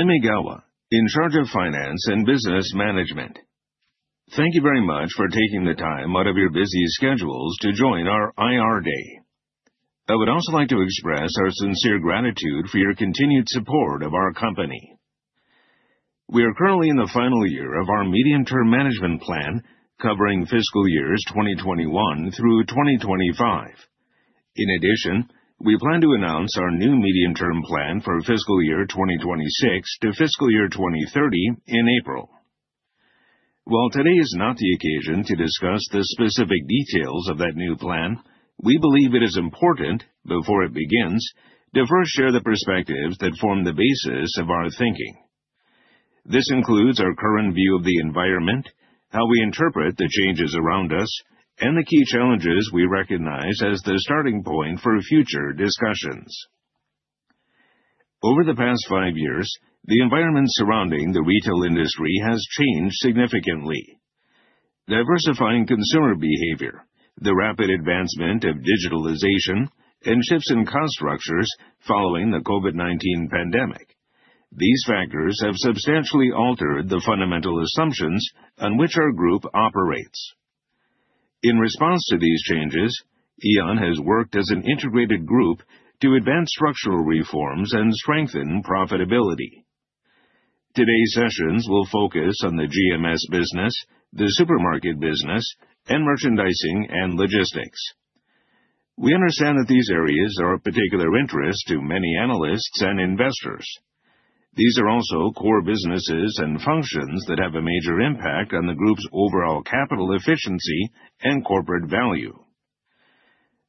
I'm Egawa, in charge of finance and business management. Thank you very much for taking the time out of your busy schedules to join our IR day. I would also like to express our sincere gratitude for your continued support of our company. We are currently in the final year of our medium-term management plan, covering fiscal years 2021 through 2025. In addition, we plan to announce our new medium-term plan for fiscal year 2026 to fiscal year 2030 in April. While today is not the occasion to discuss the specific details of that new plan, we believe it is important, before it begins, to first share the perspectives that form the basis of our thinking. This includes our current view of the environment, how we interpret the changes around us, and the key challenges we recognize as the starting point for future discussions. Over the past five years, the environment surrounding the retail industry has changed significantly. Diversifying consumer behavior, the rapid advancement of digitalization, and shifts in cost structures following the COVID-19 pandemic. These factors have substantially altered the fundamental assumptions on which our group operates. In response to these changes, Aeon has worked as an integrated group to advance structural reforms and strengthen profitability. Today's sessions will focus on the GMS business, the supermarket business, and merchandising and logistics. We understand that these areas are of particular interest to many analysts and investors. These are also core businesses and functions that have a major impact on the group's overall capital efficiency and corporate value.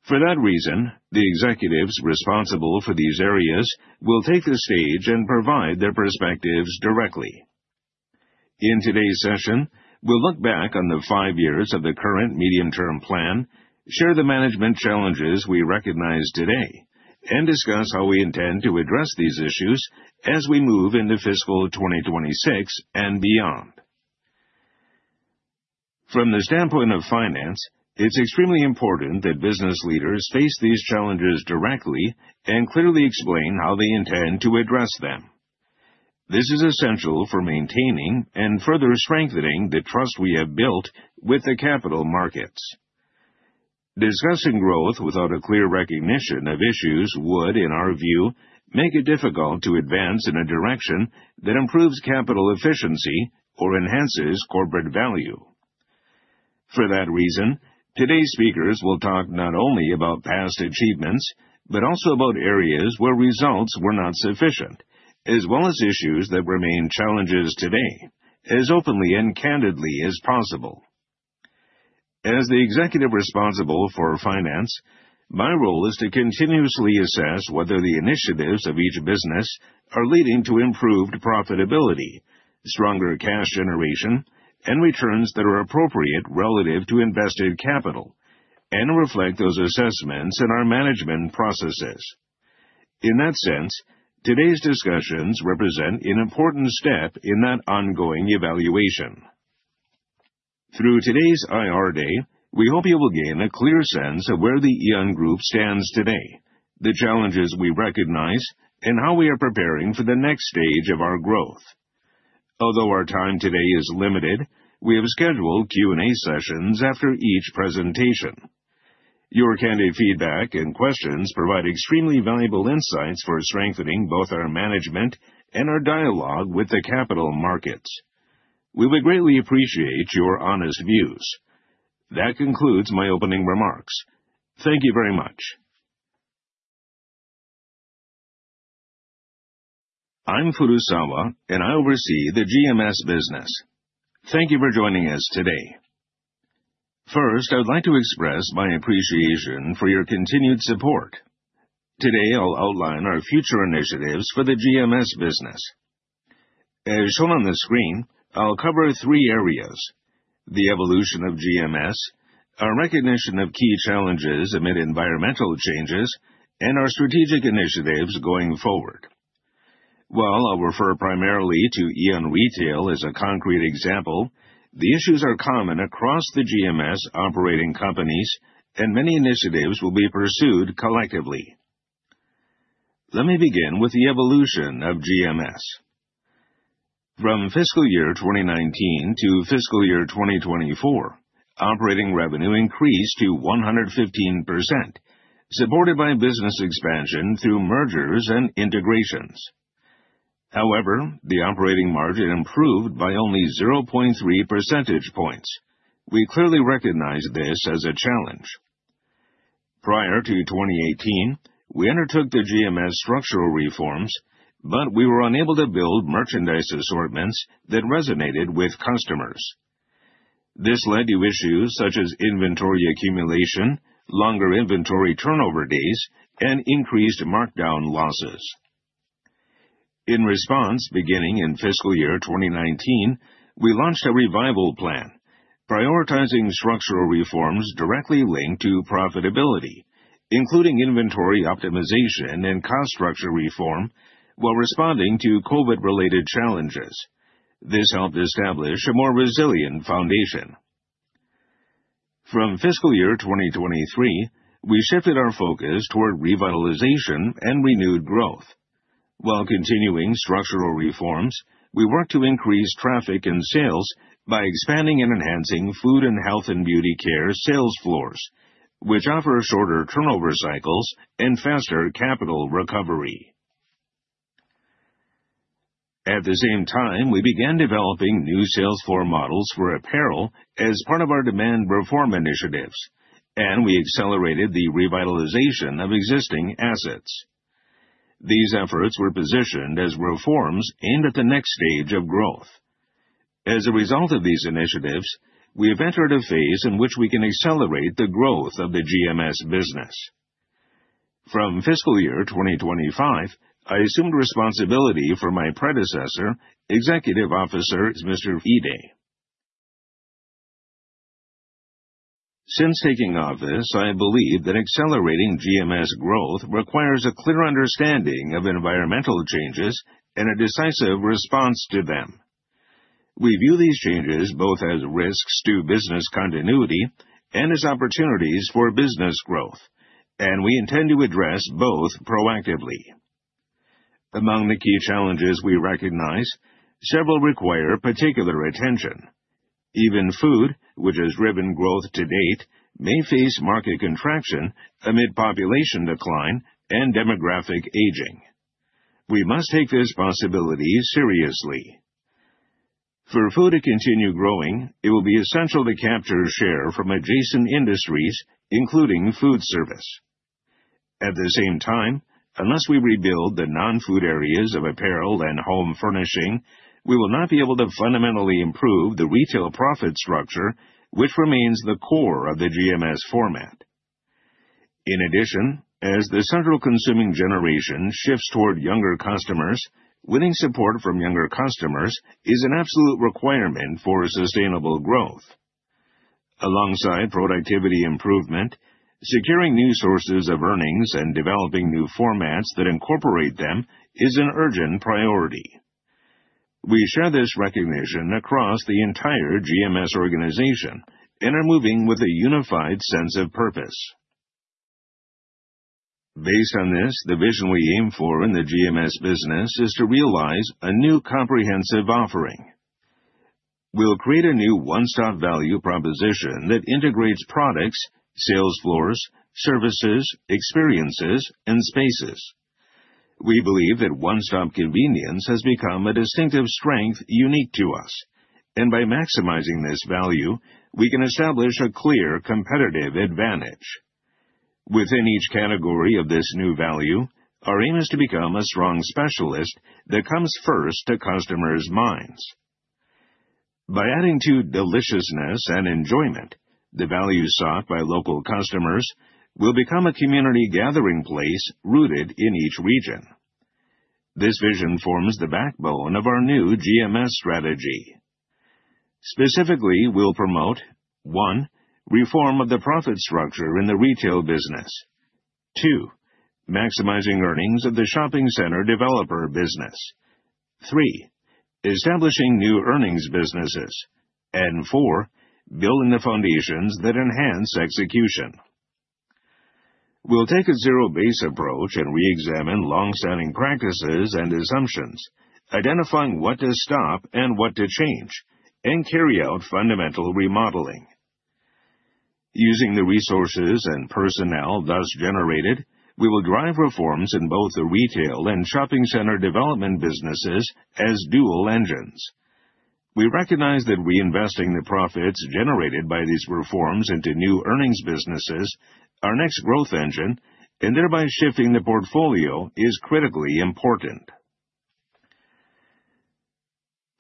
For that reason, the executives responsible for these areas will take the stage and provide their perspectives directly. In today's session, we'll look back on the five years of the current medium-term plan, share the management challenges we recognize today, and discuss how we intend to address these issues as we move into fiscal year 2026 and beyond. From the standpoint of finance, it's extremely important that business leaders face these challenges directly and clearly explain how they intend to address them. This is essential for maintaining and further strengthening the trust we have built with the capital markets. Discussing growth without a clear recognition of issues would, in our view, make it difficult to advance in a direction that improves capital efficiency or enhances corporate value. For that reason, today's speakers will talk not only about past achievements, but also about areas where results were not sufficient, as well as issues that remain challenges today as openly and candidly as possible. As the executive responsible for finance, my role is to continuously assess whether the initiatives of each business are leading to improved profitability, stronger cash generation, and returns that are appropriate relative to invested capital, and reflect those assessments in our management processes. In that sense, today's discussions represent an important step in that ongoing evaluation. Through today's IR day, we hope you will gain a clear sense of where the Aeon Group stands today, the challenges we recognize, and how we are preparing for the next stage of our growth. Although our time today is limited, we have scheduled Q&A sessions after each presentation. Your candid feedback and questions provide extremely valuable insights for strengthening both our management and our dialogue with the capital markets. We would greatly appreciate your honest views. That concludes my opening remarks. Thank you very much. I'm Furusawa, and I oversee the GMS business. Thank you for joining us today. First, I would like to express my appreciation for your continued support. Today, I'll outline our future initiatives for the GMS business. As shown on the screen, I'll cover three areas: the evolution of GMS, our recognition of key challenges amid environmental changes, and our strategic initiatives going forward. While I'll refer primarily to Aeon Retail as a concrete example, the issues are common across the GMS operating companies, and many initiatives will be pursued collectively. Let me begin with the evolution of GMS. From fiscal year 2019 to fiscal year 2024, operating revenue increased to 115%, supported by business expansion through mergers and integrations. The operating margin improved by only 0.3 percentage points. We clearly recognize this as a challenge. Prior to 2018, we undertook the GMS structural reforms. We were unable to build merchandise assortments that resonated with customers. This led to issues such as inventory accumulation, longer inventory turnover days, and increased markdown losses. In response, beginning in fiscal year 2019, we launched a revival plan prioritizing structural reforms directly linked to profitability, including inventory optimization and cost structure reform, while responding to COVID-related challenges. This helped establish a more resilient foundation. From fiscal year 2023, we shifted our focus toward revitalization and renewed growth. While continuing structural reforms, we worked to increase traffic and sales by expanding and enhancing food and health and beauty care sales floors, which offer shorter turnover cycles and faster capital recovery. At the same time, we began developing new sales floor models for apparel as part of our demand reform initiatives. We accelerated the revitalization of existing assets. These efforts were positioned as reforms aimed at the next stage of growth. As a result of these initiatives, we have entered a phase in which we can accelerate the growth of the GMS business. From fiscal year 2025, I assumed responsibility from my predecessor, Executive Officer Mr. Ide. Since taking office, I believe that accelerating GMS growth requires a clear understanding of environmental changes and a decisive response to them. We view these changes both as risks to business continuity and as opportunities for business growth. We intend to address both proactively. Among the key challenges we recognize, several require particular attention. Even food, which has driven growth to date, may face market contraction amid population decline and demographic aging. We must take this possibility seriously. For food to continue growing, it will be essential to capture share from adjacent industries, including food service. At the same time, unless we rebuild the non-food areas of apparel and home furnishing, we will not be able to fundamentally improve the retail profit structure, which remains the core of the GMS format. As the central consuming generation shifts toward younger customers, winning support from younger customers is an absolute requirement for sustainable growth. Alongside productivity improvement, securing new sources of earnings and developing new formats that incorporate them is an urgent priority. We share this recognition across the entire GMS organization. We are moving with a unified sense of purpose. Based on this, the vision we aim for in the GMS business is to realize a new comprehensive offering. We'll create a new one-stop value proposition that integrates products, sales floors, services, experiences, and spaces. We believe that one-stop convenience has become a distinctive strength unique to us, and by maximizing this value, we can establish a clear competitive advantage. Within each category of this new value, our aim is to become a strong specialist that comes first to customers' minds. By adding to deliciousness and enjoyment, the value sought by local customers will become a community gathering place rooted in each region. This vision forms the backbone of our new GMS strategy. Specifically, we'll promote, one, reform of the profit structure in the retail business. Two, maximizing earnings of the shopping center developer business. Three, establishing new earnings businesses. Four, building the foundations that enhance execution. We'll take a zero-base approach and reexamine long-standing practices and assumptions, identifying what to stop and what to change, and carry out fundamental remodeling. Using the resources and personnel thus generated, we will drive reforms in both the retail and shopping center development businesses as dual engines. We recognize that reinvesting the profits generated by these reforms into new earnings businesses, our next growth engine, and thereby shifting the portfolio, is critically important.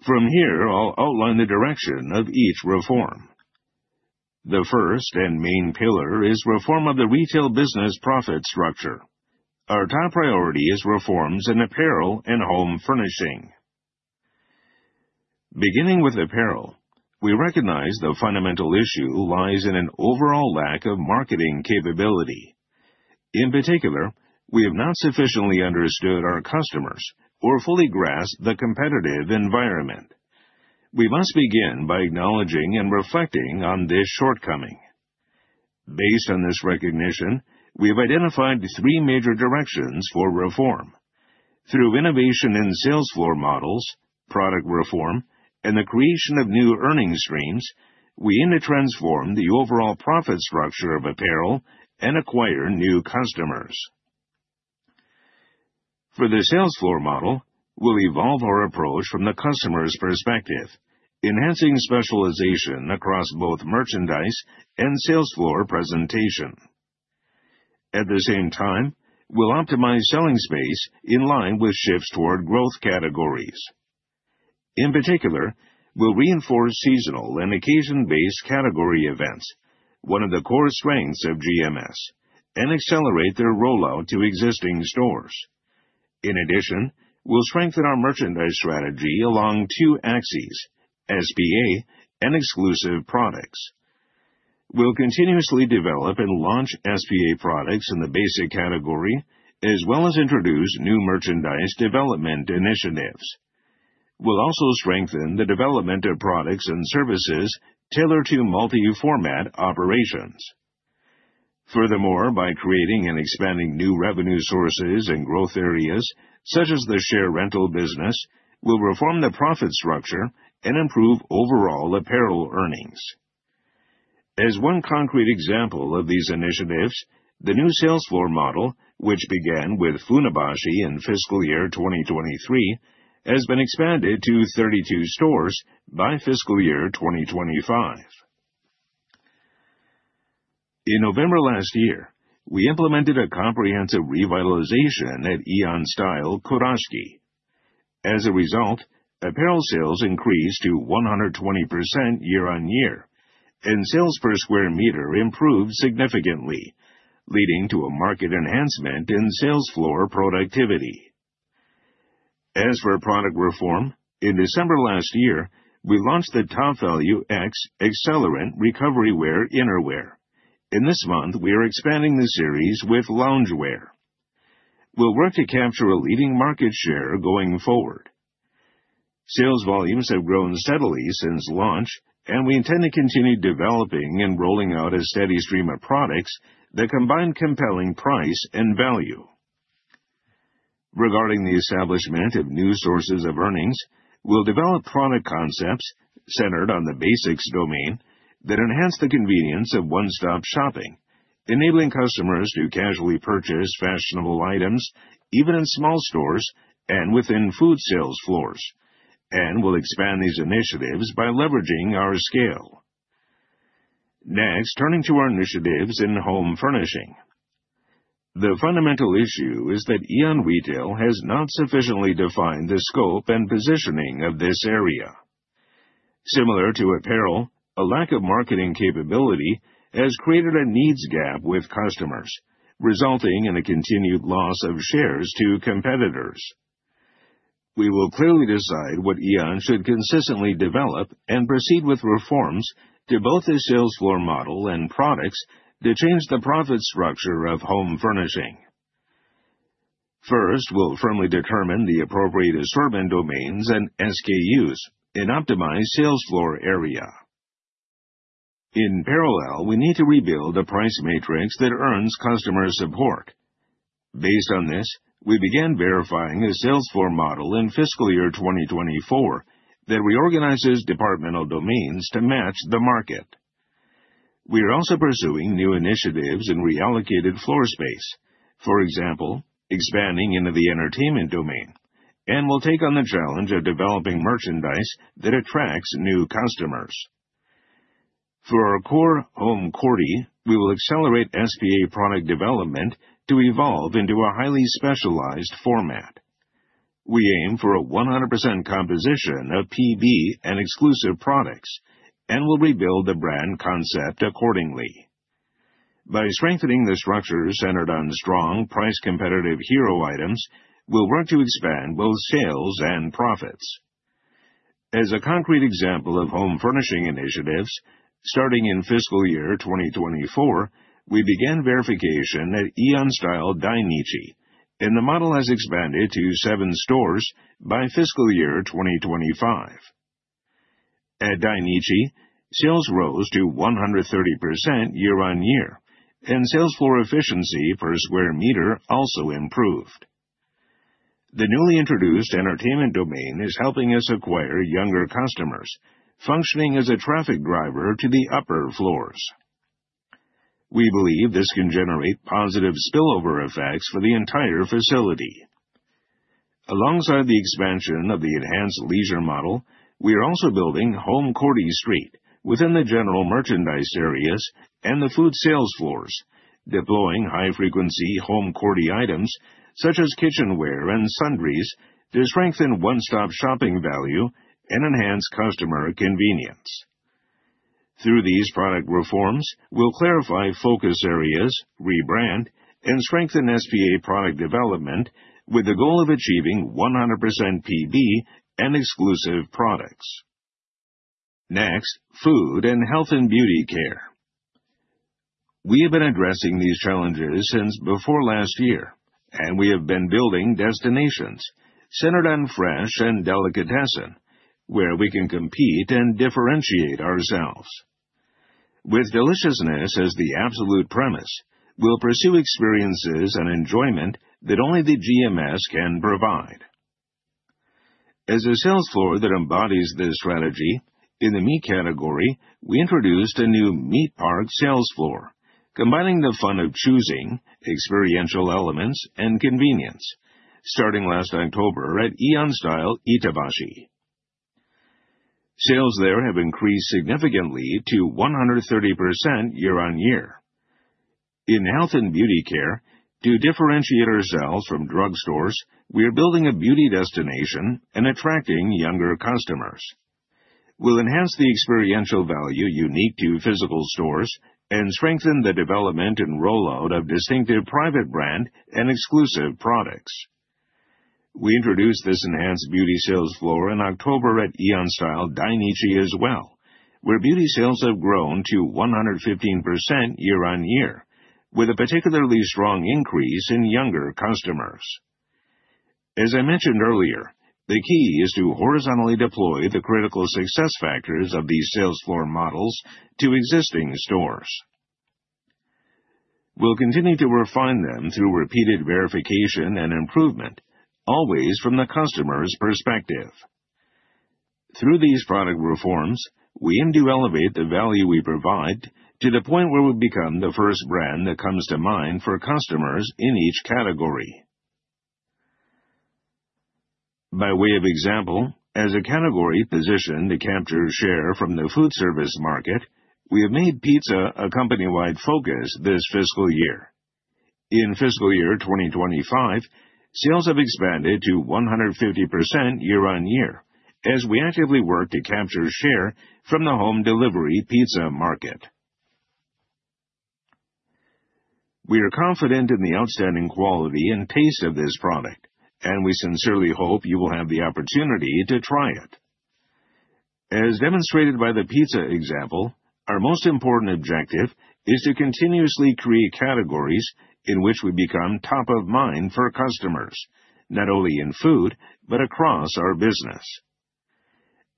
From here, I'll outline the direction of each reform. The first and main pillar is reform of the retail business profit structure. Our top priority is reforms in apparel and home furnishing. Beginning with apparel, we recognize the fundamental issue lies in an overall lack of marketing capability. In particular, we have not sufficiently understood our customers or fully grasped the competitive environment. We must begin by acknowledging and reflecting on this shortcoming. Based on this recognition, we have identified three major directions for reform. Through innovation in sales floor models, product reform, and the creation of new earning streams, we aim to transform the overall profit structure of apparel and acquire new customers. For the sales floor model, we'll evolve our approach from the customer's perspective, enhancing specialization across both merchandise and sales floor presentation. At the same time, we'll optimize selling space in line with shifts toward growth categories. In particular, we'll reinforce seasonal and occasion-based category events, one of the core strengths of GMS, and accelerate their rollout to existing stores. In addition, we'll strengthen our merchandise strategy along two axes: SBA and exclusive products. We'll continuously develop and launch SBA products in the basic category, as well as introduce new merchandise development initiatives. We'll also strengthen the development of products and services tailored to multi-format operations. Furthermore, by creating and expanding new revenue sources and growth areas, such as the share rental business, we'll reform the profit structure and improve overall apparel earnings. As one concrete example of these initiatives, the new sales floor model, which began with Funabashi in FY 2023, has been expanded to 32 stores by FY 2025. In November last year, we implemented a comprehensive revitalization at Aeon Style Kurashiki. As a result, apparel sales increased to 120% year-on-year, and sales per sq m improved significantly, leading to a marked enhancement in sales floor productivity. As for product reform, in December last year, we launched the TOPVALU EX Celliant Recovery Wear innerwear. This month, we are expanding the series with loungewear. We'll work to capture a leading market share going forward. Sales volumes have grown steadily since launch. We intend to continue developing and rolling out a steady stream of products that combine compelling price and value. Regarding the establishment of new sources of earnings, we'll develop product concepts centered on the basics domain that enhance the convenience of one-stop shopping, enabling customers to casually purchase fashionable items even in small stores and within food sales floors. We'll expand these initiatives by leveraging our scale. Next, turning to our initiatives in home furnishing. The fundamental issue is that Aeon Retail has not sufficiently defined the scope and positioning of this area. Similar to apparel, a lack of marketing capability has created a needs gap with customers, resulting in a continued loss of shares to competitors. We will clearly decide what Aeon should consistently develop and proceed with reforms to both the sales floor model and products to change the profit structure of home furnishing. First, we'll firmly determine the appropriate assortment domains and SKUs and optimize sales floor area. In parallel, we need to rebuild a price matrix that earns customer support. Based on this, we began verifying a sales floor model in fiscal year 2024 that reorganizes departmental domains to match the market. We are also pursuing new initiatives in reallocated floor space. For example, expanding into the entertainment domain, and we'll take on the challenge of developing merchandise that attracts new customers. For our core HÓME CÓORDY, we will accelerate SPA product development to evolve into a highly specialized format. We aim for a 100% composition of PB and exclusive products and will rebuild the brand concept accordingly. By strengthening the structure centered on strong price competitive hero items, we'll work to expand both sales and profits. As a concrete example of home furnishing initiatives, starting in fiscal year 2024, we began verification at Aeon Style Dainichi, and the model has expanded to 7 stores by fiscal year 2025. At Dainichi, sales rose to 130% year-on-year, and sales floor efficiency per sq m also improved. The newly introduced entertainment domain is helping us acquire younger customers, functioning as a traffic driver to the upper floors. We believe this can generate positive spillover effects for the entire facility. Alongside the expansion of the enhanced leisure model, we are also building HÓME CÓORDY Street within the general merchandise areas and the food sales floors, deploying high frequency HÓME CÓORDY items such as kitchenware and sundries to strengthen one-stop shopping value and enhance customer convenience. Through these product reforms, we'll clarify focus areas, rebrand, and strengthen SPA product development with the goal of achieving 100% PB and exclusive products. Next, food and health and beauty care. We have been addressing these challenges since before last year, and we have been building destinations centered on fresh and delicatessen, where we can compete and differentiate ourselves. With deliciousness as the absolute premise, we'll pursue experiences and enjoyment that only the GMS can provide. As a sales floor that embodies this strategy, in the meat category, we introduced a new Meat Park sales floor, combining the fun of choosing, experiential elements, and convenience starting last October at Aeon Style Itabashi. Sales there have increased significantly to 130% year-on-year. In health and beauty care, to differentiate ourselves from drugstores, we are building a beauty destination and attracting younger customers. We'll enhance the experiential value unique to physical stores and strengthen the development and rollout of distinctive private brand and exclusive products. We introduced this enhanced beauty sales floor in October at AEON STYLE DAINICHI as well, where beauty sales have grown to 115% year-on-year, with a particularly strong increase in younger customers. As I mentioned earlier, the key is to horizontally deploy the critical success factors of these sales floor models to existing stores. We'll continue to refine them through repeated verification and improvement, always from the customer's perspective. Through these product reforms, we aim to elevate the value we provide to the point where we become the first brand that comes to mind for customers in each category. By way of example, as a category positioned to capture share from the food service market, we have made pizza a company-wide focus this fiscal year. In fiscal year 2025, sales have expanded to 150% year-on-year as we actively work to capture share from the home delivery pizza market. We are confident in the outstanding quality and taste of this product, and we sincerely hope you will have the opportunity to try it. As demonstrated by the pizza example, our most important objective is to continuously create categories in which we become top of mind for customers, not only in food, but across our business.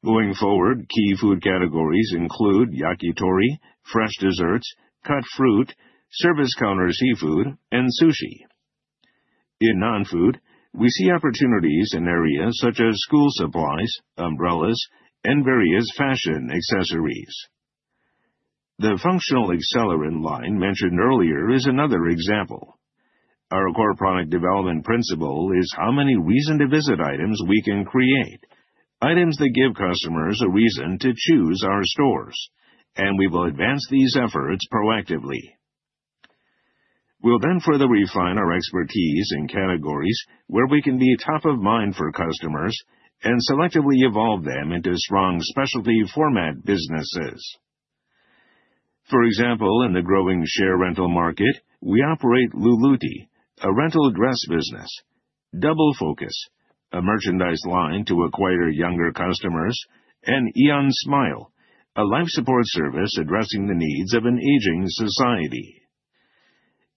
Going forward, key food categories include yakitori, fresh desserts, cut fruit, service counter seafood, and sushi. In non-food, we see opportunities in areas such as school supplies, umbrellas, and various fashion accessories. The functional accelerant line mentioned earlier is another example. Our core product development principle is how many reason-to-visit items we can create, items that give customers a reason to choose our stores, and we will advance these efforts proactively. We'll then further refine our expertise in categories where we can be top of mind for customers and selectively evolve them into strong specialty format businesses. For example, in the growing share rental market, we operate Luluti, a rental dress business. Double Focus, a merchandise line to acquire younger customers, and Aeon Smile, a life support service addressing the needs of an aging society.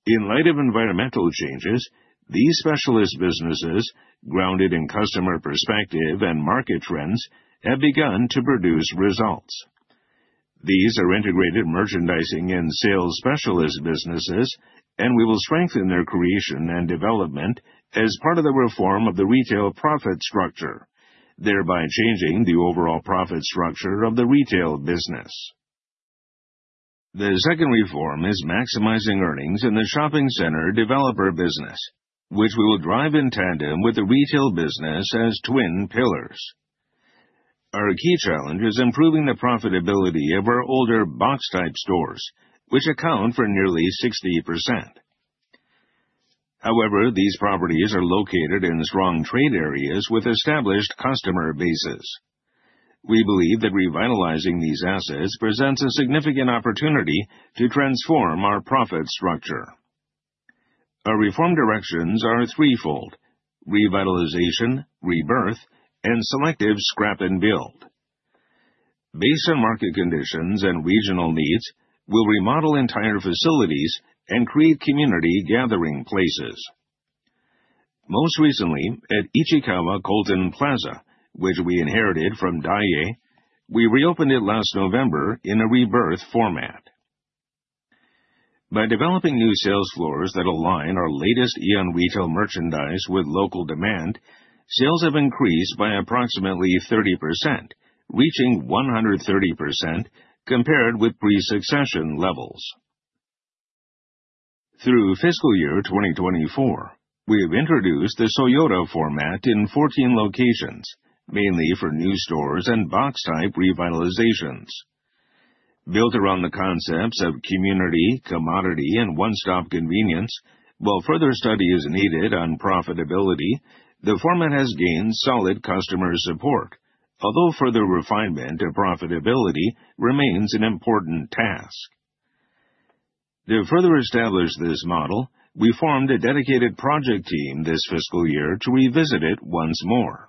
In light of environmental changes, these specialist businesses, grounded in customer perspective and market trends, have begun to produce results. These are integrated merchandising and sales specialist businesses, and we will strengthen their creation and development as part of the reform of the retail profit structure, thereby changing the overall profit structure of the retail business. The second reform is maximizing earnings in the shopping center developer business, which we will drive in tandem with the retail business as twin pillars. Our key challenge is improving the profitability of our older box-type stores, which account for nearly 60%. However, these properties are located in strong trade areas with established customer bases. We believe that revitalizing these assets presents a significant opportunity to transform our profit structure. Our reform directions are threefold: revitalization, rebirth, and selective scrap and build. Based on market conditions and regional needs, we'll remodel entire facilities and create community gathering places. Most recently at Ichikawa Golden Plaza, which we inherited from Daiei, we reopened it last November in a rebirth format. By developing new sales floors that align our latest Aeon Retail merchandise with local demand, sales have increased by approximately 30%, reaching 130% compared with pre-succession levels. Through fiscal year 2024, we have introduced the Soyodo format in 14 locations, mainly for new stores and box-type revitalizations. Built around the concepts of community, commodity, and one-stop convenience, while further study is needed on profitability, the format has gained solid customer support. Although further refinement of profitability remains an important task. To further establish this model, we formed a dedicated project team this fiscal year to revisit it once more.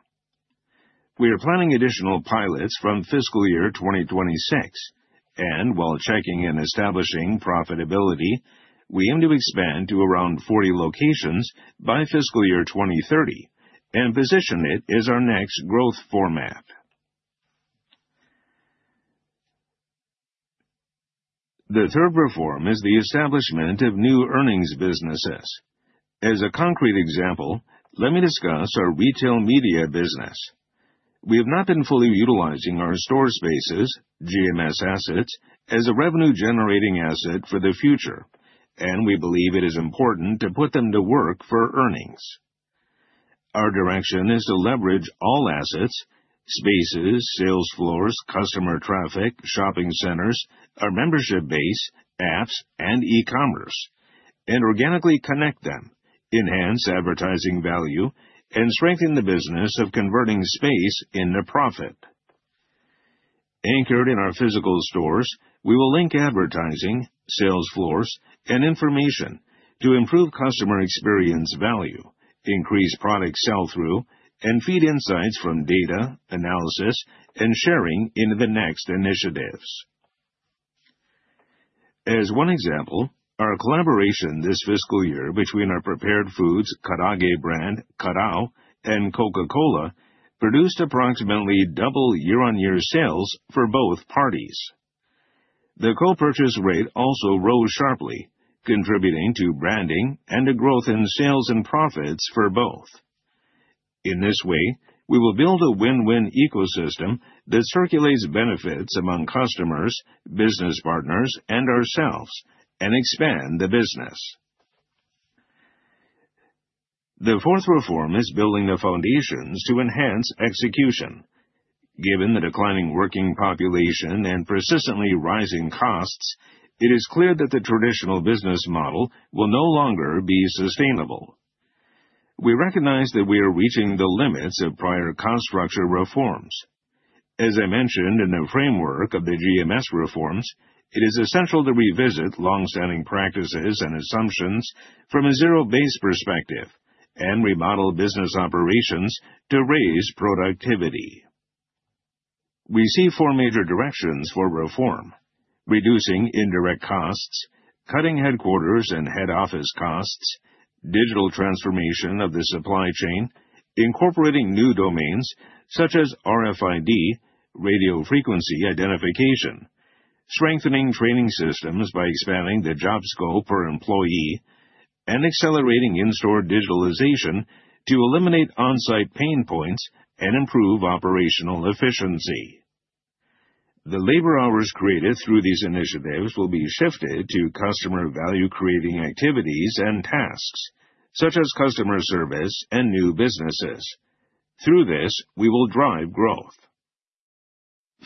We are planning additional pilots from fiscal year 2026, and while checking and establishing profitability, we aim to expand to around 40 locations by fiscal year 2030 and position it as our next growth format. The third reform is the establishment of new earnings businesses. As a concrete example, let me discuss our retail media business. We have not been fully utilizing our store spaces, GMS assets, as a revenue-generating asset for the future, and we believe it is important to put them to work for earnings. Our direction is to leverage all assets, spaces, sales floors, customer traffic, shopping centers, our membership base, apps, and e-commerce, and organically connect them, enhance advertising value, and strengthen the business of converting space into profit. Anchored in our physical stores, we will link advertising, sales floors, and information to improve customer experience value, increase product sell-through, and feed insights from data analysis and sharing into the next initiatives. As one example, our collaboration this fiscal year between our prepared foods karaage brand, KARAO, and Coca-Cola produced approximately double year-on-year sales for both parties. The co-purchase rate also rose sharply, contributing to branding and a growth in sales and profits for both. In this way, we will build a win-win ecosystem that circulates benefits among customers, business partners, and ourselves and expand the business. The fourth reform is building the foundations to enhance execution. Given the declining working population and persistently rising costs, it is clear that the traditional business model will no longer be sustainable. We recognize that we are reaching the limits of prior cost structure reforms. As I mentioned in the framework of the GMS reforms, it is essential to revisit longstanding practices and assumptions from a zero-base perspective and remodel business operations to raise productivity. We see four major directions for reform: reducing indirect costs, cutting headquarters and head office costs, digital transformation of the supply chain, incorporating new domains such as RFID, radio frequency identification, strengthening training systems by expanding the job scope per employee, and accelerating in-store digitalization to eliminate on-site pain points and improve operational efficiency. The labor hours created through these initiatives will be shifted to customer value-creating activities and tasks, such as customer service and new businesses. Through this, we will drive growth.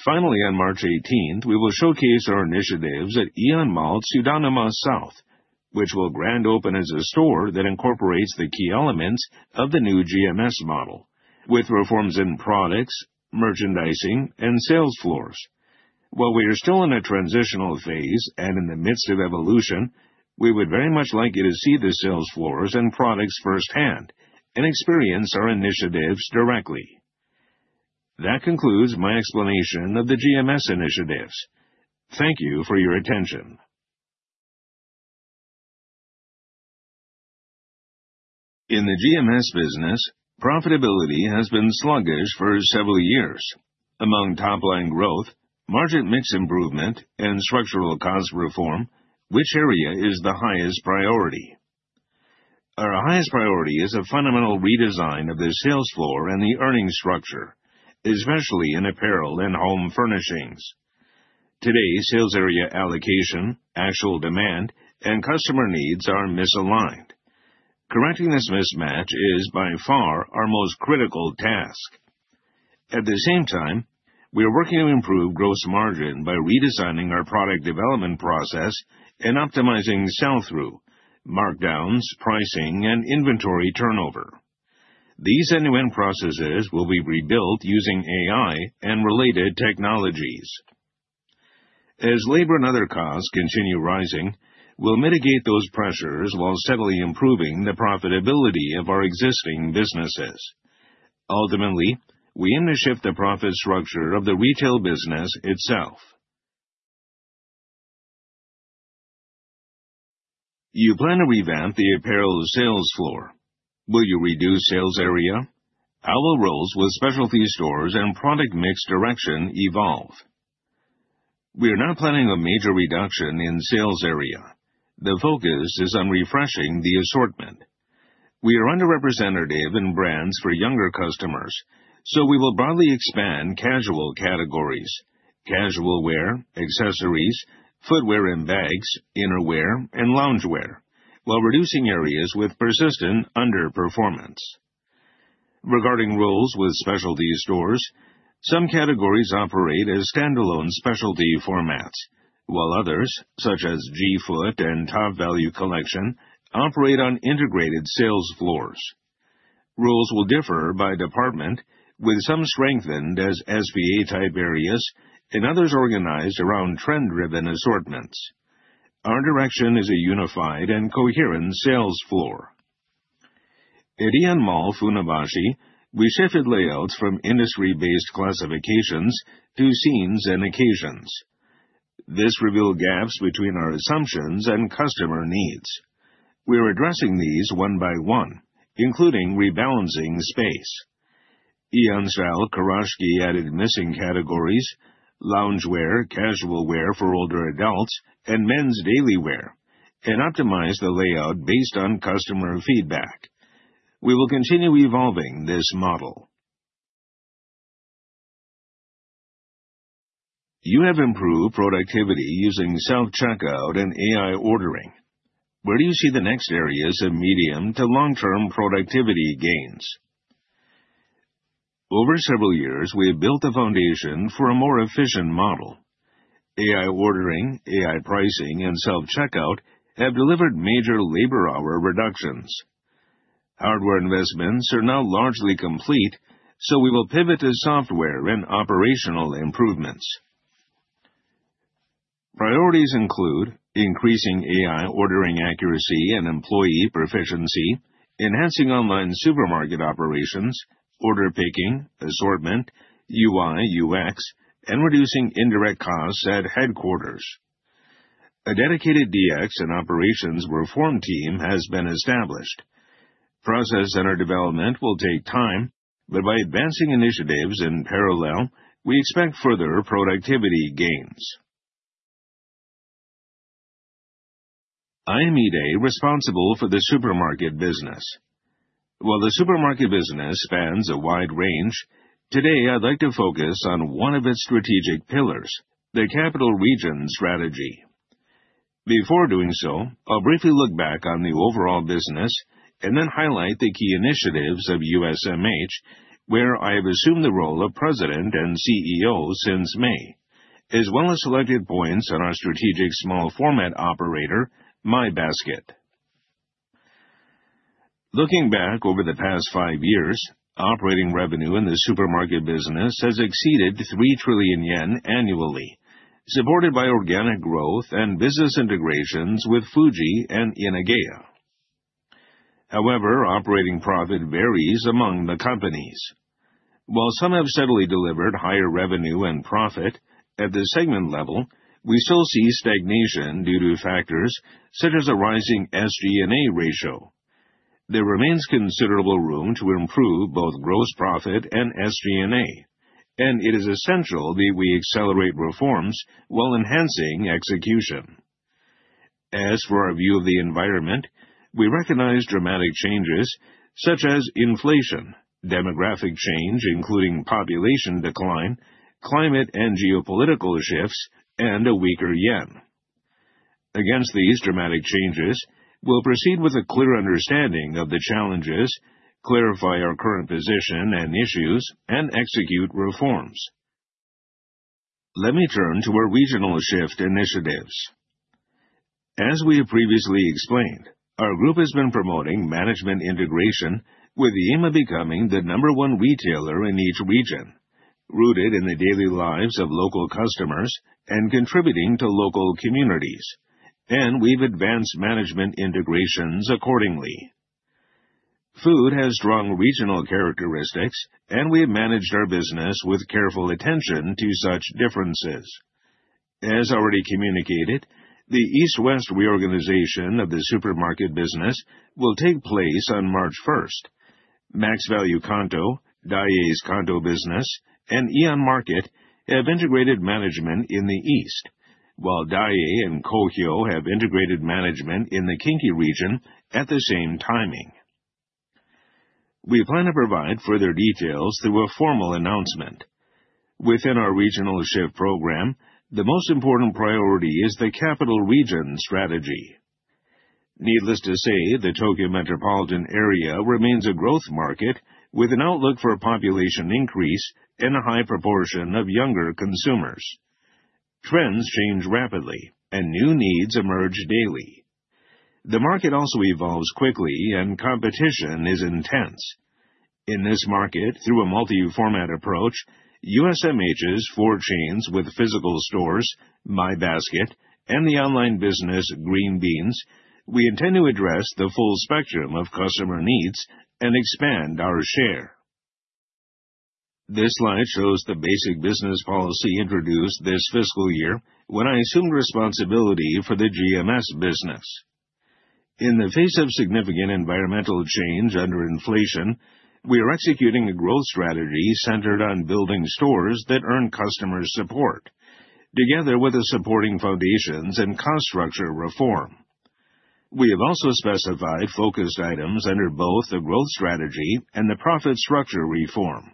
Finally, on March 18th, we will showcase our initiatives at Aeon Mall Tsudanuma South, which will grand open as a store that incorporates the key elements of the new GMS model with reforms in products, merchandising, and sales floors. While we are still in a transitional phase and in the midst of evolution, we would very much like you to see the sales floors and products firsthand and experience our initiatives directly. That concludes my explanation of the GMS initiatives. Thank you for your attention. In the GMS business, profitability has been sluggish for several years. Among top-line growth, margin mix improvement, and structural cost reform, which area is the highest priority? Our highest priority is a fundamental redesign of the sales floor and the earnings structure, especially in apparel and home furnishings. Today, sales area allocation, actual demand, and customer needs are misaligned. Correcting this mismatch is by far our most critical task. At the same time, we are working to improve gross margin by redesigning our product development process and optimizing sell-through, markdowns, pricing, and inventory turnover. These end-to-end processes will be rebuilt using AI and related technologies. As labor and other costs continue rising, we'll mitigate those pressures while steadily improving the profitability of our existing businesses. Ultimately, we aim to shift the profit structure of the retail business itself. You plan to revamp the apparel sales floor. Will you reduce sales area? How will roles with specialty stores and product mix direction evolve? We are not planning a major reduction in sales area. The focus is on refreshing the assortment. We are underrepresented in brands for younger customers, so we will broadly expand casual categories, casual wear, accessories, footwear and bags, innerwear, and loungewear, while reducing areas with persistent underperformance. Regarding roles with specialty stores, some categories operate as standalone specialty formats, while others, such as G-Foot and Topvalu Collection, operate on integrated sales floors. Roles will differ by department, with some strengthened as SPA-type areas and others organized around trend-driven assortments. Our direction is a unified and coherent sales floor. At Aeon Mall Funabashi, we shifted layouts from industry-based classifications to scenes and occasions. This revealed gaps between our assumptions and customer needs. We are addressing these one by one, including rebalancing space. Aeon Mall Kurashiki added missing categories, loungewear, casual wear for older adults, and men's daily wear, and optimized the layout based on customer feedback. We will continue evolving this model. You have improved productivity using self-checkout and AI ordering. Where do you see the next areas of medium to long-term productivity gains? Over several years, we have built a foundation for a more efficient model. AI ordering, AI pricing, and self-checkout have delivered major labor hour reductions. Hardware investments are now largely complete. We will pivot to software and operational improvements. Priorities include increasing AI ordering accuracy and employee proficiency. Enhancing online supermarket operations, order picking, assortment, UI, UX, and reducing indirect costs at headquarters. A dedicated DX and operations reform team has been established. Process and development will take time. By advancing initiatives in parallel, we expect further productivity gains. I am Ide, responsible for the supermarket business. While the supermarket business spans a wide range, today I'd like to focus on one of its strategic pillars, the capital region strategy. Before doing so, I'll briefly look back on the overall business and then highlight the key initiatives of USMH, where I have assumed the role of President and CEO since May, as well as selected points on our strategic small format operator, My Basket. Looking back over the past five years, operating revenue in the supermarket business has exceeded 3 trillion yen annually, supported by organic growth and business integrations with Fuji and Inageya. Operating profit varies among the companies. While some have steadily delivered higher revenue and profit, at the segment level, we still see stagnation due to factors such as a rising SG&A ratio. There remains considerable room to improve both gross profit and SG&A. It is essential that we accelerate reforms while enhancing execution. As for our view of the environment, we recognize dramatic changes such as inflation, demographic change, including population decline, climate and geopolitical shifts, and a weaker yen. Against these dramatic changes, we'll proceed with a clear understanding of the challenges, clarify our current position and issues, and execute reforms. Let me turn to our regional shift initiatives. As we have previously explained, our Group has been promoting management integration with the aim of becoming the number one retailer in each region, rooted in the daily lives of local customers and contributing to local communities, and we've advanced management integrations accordingly. Food has strong regional characteristics, and we've managed our business with careful attention to such differences. As already communicated, the East-West reorganization of the supermarket business will take place on March 1st. MaxValu Kanto, Daiei's Kanto business, and AEON MARKET have integrated management in the East, while Daiei and KOHYO have integrated management in the Kinki region at the same timing. We plan to provide further details through a formal announcement. Within our regional shift program, the most important priority is the capital region strategy. Needless to say, the Tokyo metropolitan area remains a growth market with an outlook for a population increase and a high proportion of younger consumers. Trends change rapidly and new needs emerge daily. The market also evolves quickly and competition is intense. In this market, through a multi-format approach, USMH's four chains with physical stores, My Basket, and the online business Green Beans, we intend to address the full spectrum of customer needs and expand our share. This slide shows the basic business policy introduced this fiscal year when I assumed responsibility for the GMS business. In the face of significant environmental change under inflation, we are executing a growth strategy centered on building stores that earn customer support, together with the supporting foundations and cost structure reform. We have also specified focused items under both the growth strategy and the profit structure reform.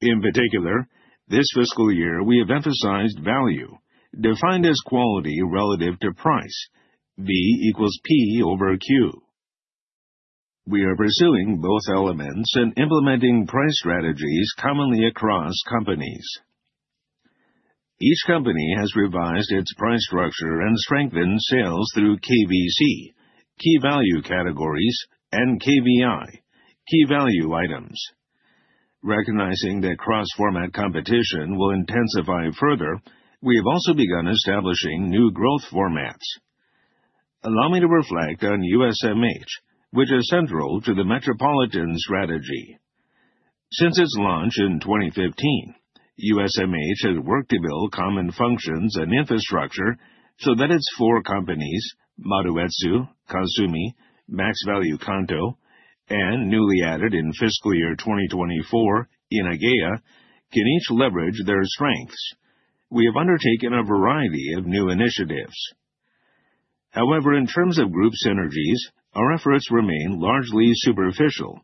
In particular, this fiscal year, we have emphasized value, defined as quality relative to price, V equals P over Q. We are pursuing both elements and implementing price strategies commonly across companies. Each company has revised its price structure and strengthened sales through KVC, key value categories, and KVI, key value items. Recognizing that cross-format competition will intensify further, we have also begun establishing new growth formats. Allow me to reflect on USMH, which is central to the metropolitan strategy. Since its launch in 2015, USMH has worked to build common functions and infrastructure so that its four companies, Maruetsu, Kasumi, MaxValu Kanto, and newly added in fiscal year 2024, Inageya, can each leverage their strengths. We have undertaken a variety of new initiatives. However, in terms of Group synergies, our efforts remain largely superficial.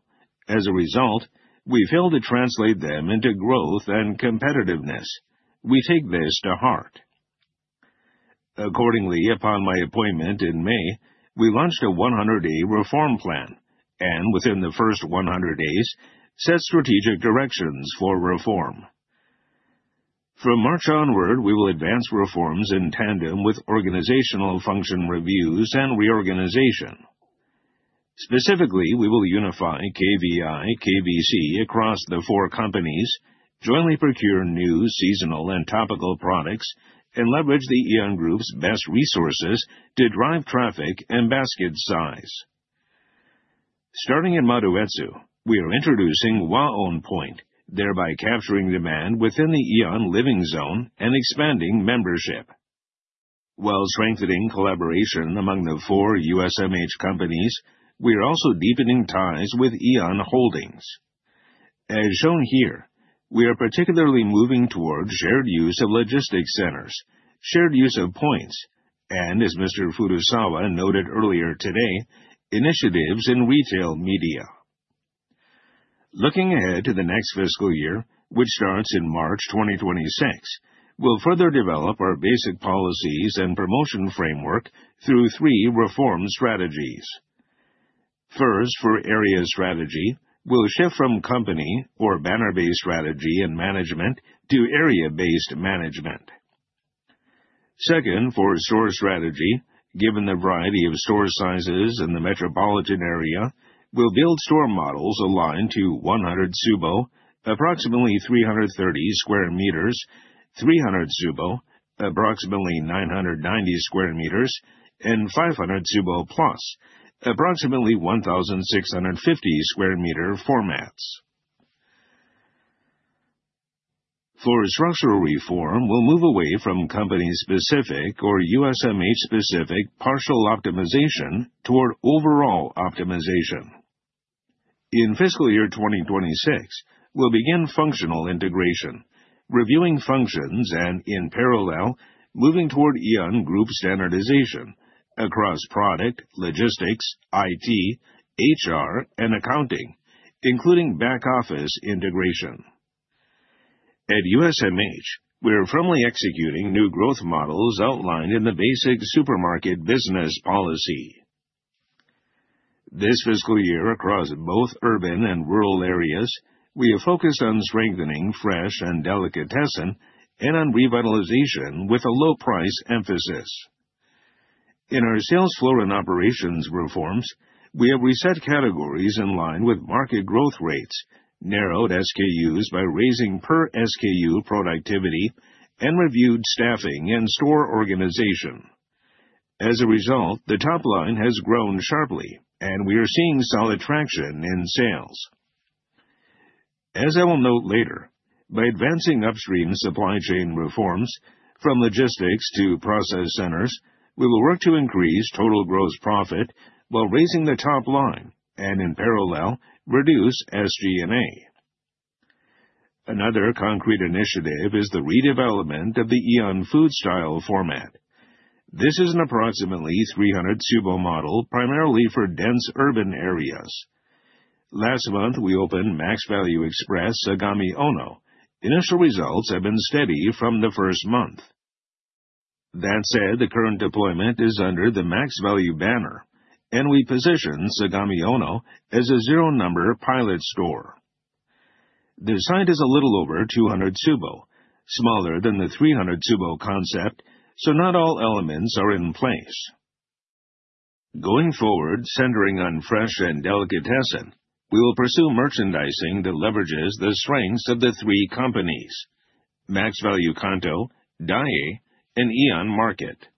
As a result, we fail to translate them into growth and competitiveness. We take this to heart. Accordingly, upon my appointment in May, we launched a 100-day reform plan and within the first 100 days, set strategic directions for reform. From March onward, we will advance reforms in tandem with organizational function reviews and reorganization. Specifically, we will unify KVI, KVC across the four companies, jointly procure new seasonal and topical products, and leverage the Aeon Group's best resources to drive traffic and basket size. Starting in The Maruetsu, we are introducing WAON POINT, thereby capturing demand within the Aeon Living Zone and expanding membership. While strengthening collaboration among the four USMH companies, we are also deepening ties with Aeon Holdings. As shown here, we are particularly moving towards shared use of logistics centers, shared use of points, and as Mr. Furusawa noted earlier today, initiatives in retail media. Looking ahead to the next fiscal year, which starts in March 2026, we will further develop our basic policies and promotion framework through three reform strategies. First, for area strategy, we will shift from company or banner-based strategy and management to area-based management. Second, for store strategy, given the variety of store sizes in the metropolitan area, we will build store models aligned to 100-tsubo, approximately 330 sq m, 300-tsubo, approximately 990 sq m, and 500-tsubo plus, approximately 1,650 sq m formats. For structural reform, we will move away from company-specific or USMH-specific partial optimization toward overall optimization. In fiscal year 2026, we will begin functional integration, reviewing functions, and in parallel, moving toward Aeon Group standardization across product, logistics, IT, HR, and accounting, including back-office integration. At USMH, we are firmly executing new growth models outlined in the basic supermarket business policy. This fiscal year, across both urban and rural areas, we are focused on strengthening fresh and delicatessen and on revitalization with a low price emphasis. In our sales floor and operations reforms, we have reset categories in line with market growth rates, narrowed SKUs by raising per SKU productivity, and reviewed staffing and store organization. As a result, the top line has grown sharply, and we are seeing solid traction in sales. As I will note later, by advancing upstream supply chain reforms from logistics to process centers, we will work to increase total gross profit while raising the top line and, in parallel, reduce SG&A. Another concrete initiative is the redevelopment of the Aeon Food Style format. This is an approximately 300-tsubo model primarily for dense urban areas. Last month, we opened MaxValu Express Sagamiono. Initial results have been steady from the first month. That said, the current deployment is under the MaxValu banner. We position Sagamiono as a zero number pilot store. The site is a little over 200 tsubo, smaller than the 300-tsubo concept, so not all elements are in place. Going forward, centering on fresh and delicatessen, we will pursue merchandising that leverages the strengths of the three companies, MaxValu Kanto, Daiei, and AEON MARKET.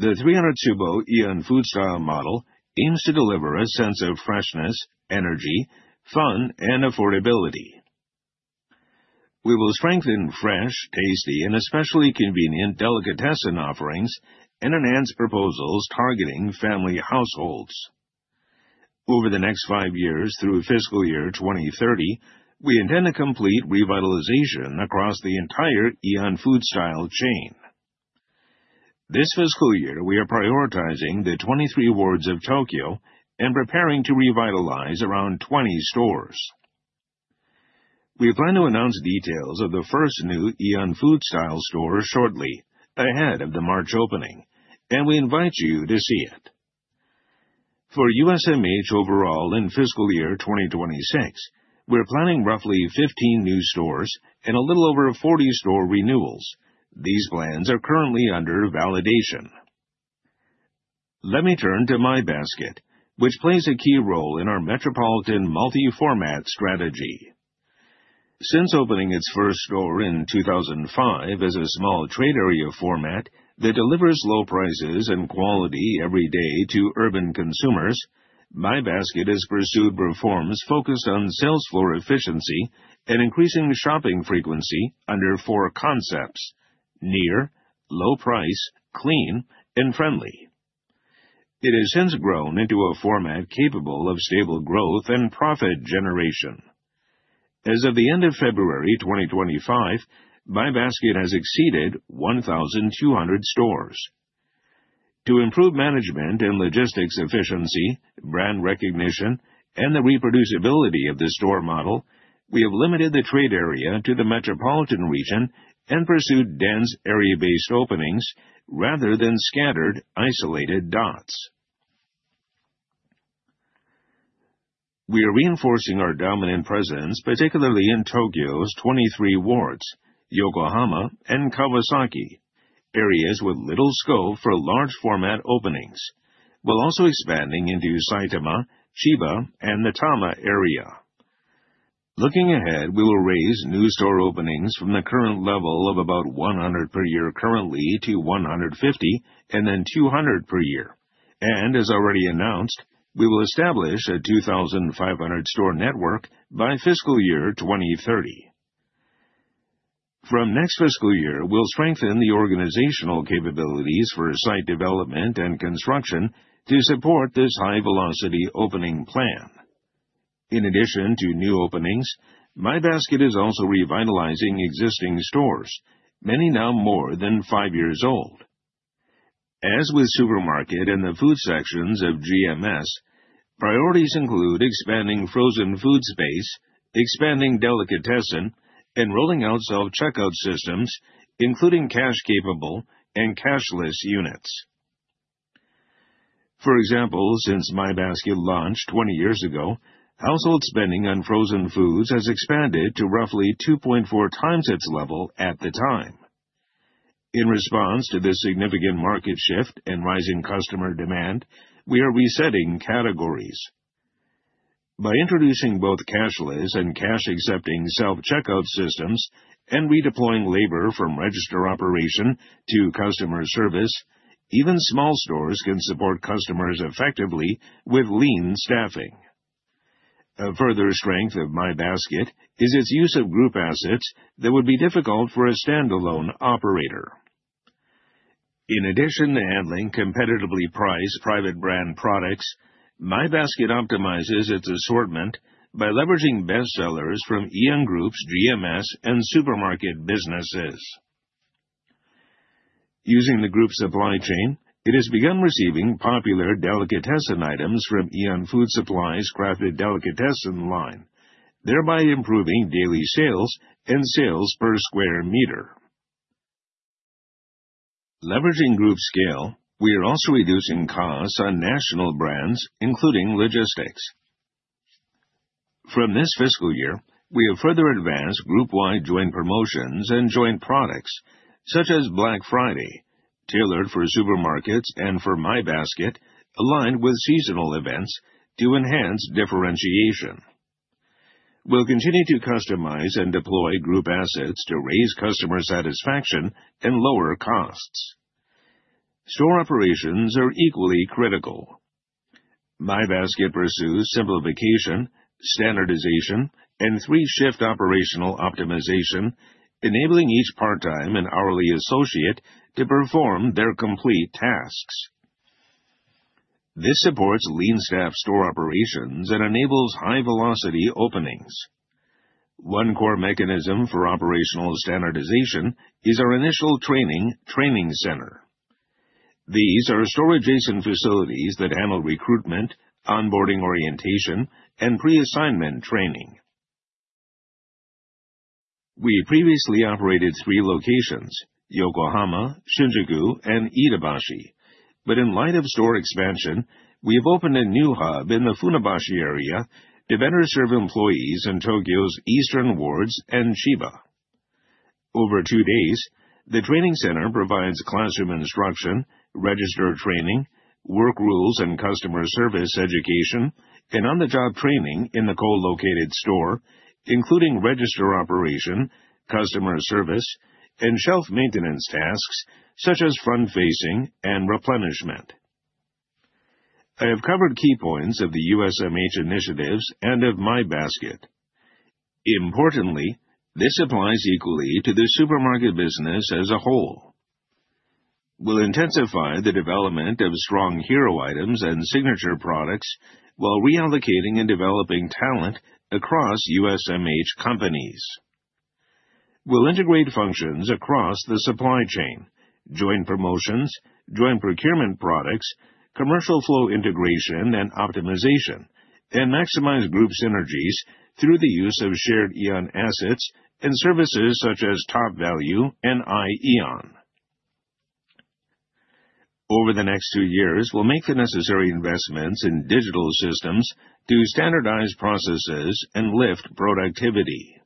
The 300-tsubo Aeon Food Style model aims to deliver a sense of freshness, energy, fun, and affordability. We will strengthen fresh, tasty, and especially convenient delicatessen offerings and enhance proposals targeting family households. Over the next five years, through fiscal year 2030, we intend to complete revitalization across the entire Aeon Food Style chain. This fiscal year, we are prioritizing the 23 wards of Tokyo and preparing to revitalize around 20 stores. We plan to announce details of the first new Aeon Food Style store shortly ahead of the March opening, and we invite you to see it. For USMH overall in fiscal year 2026, we are planning roughly 15 new stores and a little over 40 store renewals. These plans are currently under validation. Let me turn to My Basket, which plays a key role in our metropolitan multi-format strategy. Since opening its first store in 2005 as a small trade area format that delivers low prices and quality every day to urban consumers, My Basket has pursued reforms focused on sales floor efficiency and increasing shopping frequency under four concepts: near, low price, clean, and friendly. It has since grown into a format capable of stable growth and profit generation. As of the end of February 2025, My Basket has exceeded 1,200 stores. To improve management and logistics efficiency, brand recognition, and the reproducibility of the store model, we have limited the trade area to the metropolitan region and pursued dense area-based openings rather than scattered, isolated dots. We are reinforcing our dominant presence, particularly in Tokyo's 23 wards, Yokohama, and Kawasaki, areas with little scope for large format openings. We're also expanding into Saitama, Chiba, and the Tama area. Looking ahead, we will raise new store openings from the current level of about 100 per year currently to 150 and then 200 per year. As already announced, we will establish a 2,500 store network by FY 2030. From next fiscal year, we'll strengthen the organizational capabilities for site development and construction to support this high velocity opening plan. In addition to new openings, My Basket is also revitalizing existing stores, many now more than five years old. As with Supermarket and the food sections of GMS, priorities include expanding frozen food space, expanding delicatessen, and rolling out self-checkout systems, including cash capable and cashless units. For example, since My Basket launched 20 years ago, household spending on frozen foods has expanded to roughly 2.4 times its level at the time. In response to this significant market shift and rising customer demand, we are resetting categories. By introducing both cashless and cash accepting self-checkout systems and redeploying labor from register operation to customer service, even small stores can support customers effectively with lean staffing. A further strength of My Basket is its use of group assets that would be difficult for a standalone operator. In addition to handling competitively priced private brand products, My Basket optimizes its assortment by leveraging bestsellers from Aeon Group's GMS and Supermarket businesses. Using the group supply chain, it has begun receiving popular delicatessen items from Aeon Food Supply's Crafted Delicatessen line, thereby improving daily sales and sales per square meter. Leveraging group scale, we are also reducing costs on national brands, including logistics. From this fiscal year, we have further advanced group wide joint promotions and joint products such as Black Friday, tailored for Supermarkets and for My Basket, aligned with seasonal events to enhance differentiation. We'll continue to customize and deploy group assets to raise customer satisfaction and lower costs. Store operations are equally critical. My Basket pursues simplification, standardization, and three shift operational optimization, enabling each part-time and hourly associate to perform their complete tasks. This supports lean staff store operations and enables high velocity openings. One core mechanism for operational standardization is our initial training center. These are store adjacent facilities that handle recruitment, onboarding orientation, and pre-assignment training. We previously operated three locations, Yokohama, Shinjuku, and Iidabashi. In light of store expansion, we have opened a new hub in the Funabashi area to better serve employees in Tokyo's eastern wards and Chiba. Over two days, the training center provides classroom instruction, register training, work rules, and customer service education, and on-the-job training in the co-located store, including register operation, customer service, and shelf maintenance tasks such as front facing and replenishment. I have covered key points of the USMH initiatives and of My Basket. Importantly, this applies equally to the Supermarket business as a whole. We'll intensify the development of strong hero items and signature products while reallocating and developing talent across USMH companies. We'll integrate functions across the supply chain, joint promotions, joint procurement products, commercial flow integration and optimization, and maximize group synergies through the use of shared Aeon assets and services such as Topvalu and Aeon. Over the next two years, we'll make the necessary investments in digital systems to standardize processes and lift productivity.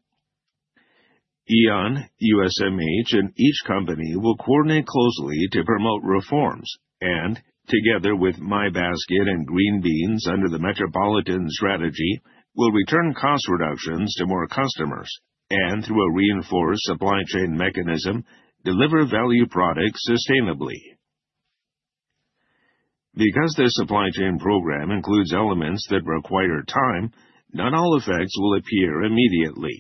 Aeon, USMH, and each company will coordinate closely to promote reforms and together with My Basket and Green Beans under the metropolitan strategy, will return cost reductions to more customers and through a reinforced supply chain mechanism, deliver value products sustainably. The supply chain program includes elements that require time, not all effects will appear immediately.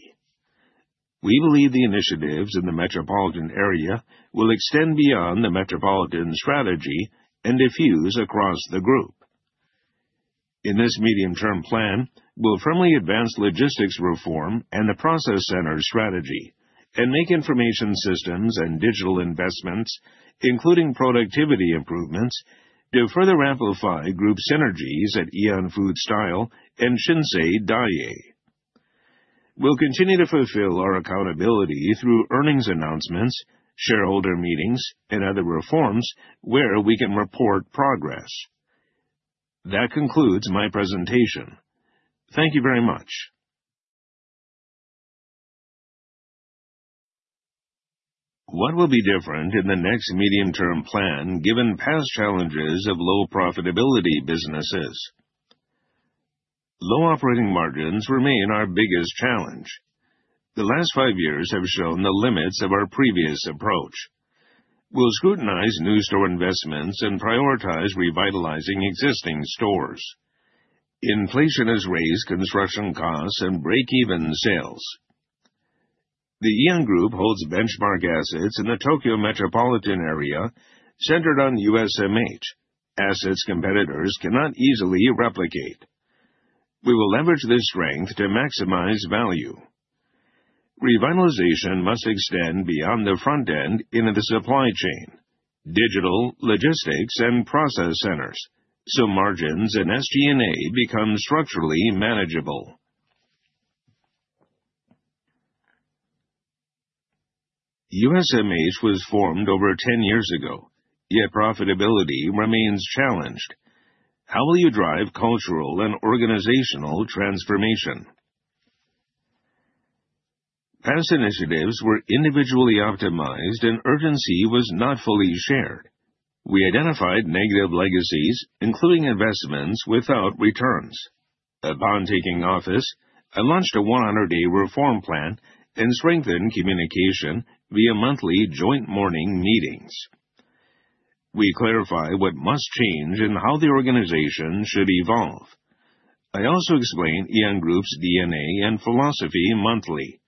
We believe the initiatives in the metropolitan area will extend beyond the metropolitan strategy and diffuse across the group. In this medium-term plan, we'll firmly advance logistics reform and the process center strategy and make information systems and digital investments, including productivity improvements, to further amplify group synergies at Aeon Food Style and Shinsei Daiei. We'll continue to fulfill our accountability through earnings announcements, shareholder meetings, and other reforms where we can report progress. That concludes my presentation. Thank you very much. What will be different in the next medium-term plan given past challenges of low profitability businesses? Low operating margins remain our biggest challenge. The last five years have shown the limits of our previous approach. We'll scrutinize new store investments and prioritize revitalizing existing stores. Inflation has raised construction costs and break-even sales. The Aeon Group holds benchmark assets in the Tokyo metropolitan area centered on USMH, assets competitors cannot easily replicate. We will leverage this strength to maximize value. Revitalization must extend beyond the front end into the supply chain, digital, logistics, and process centers, so margins and SG&A become structurally manageable. USMH was formed over 10 years ago, yet profitability remains challenged. How will you drive cultural and organizational transformation? Past initiatives were individually optimized, urgency was not fully shared. We identified negative legacies, including investments without returns. Upon taking office, I launched a 100-day reform plan and strengthened communication via monthly joint morning meetings. We clarify what must change and how the organization should evolve. I also explain Aeon Group's DNA and philosophy monthly,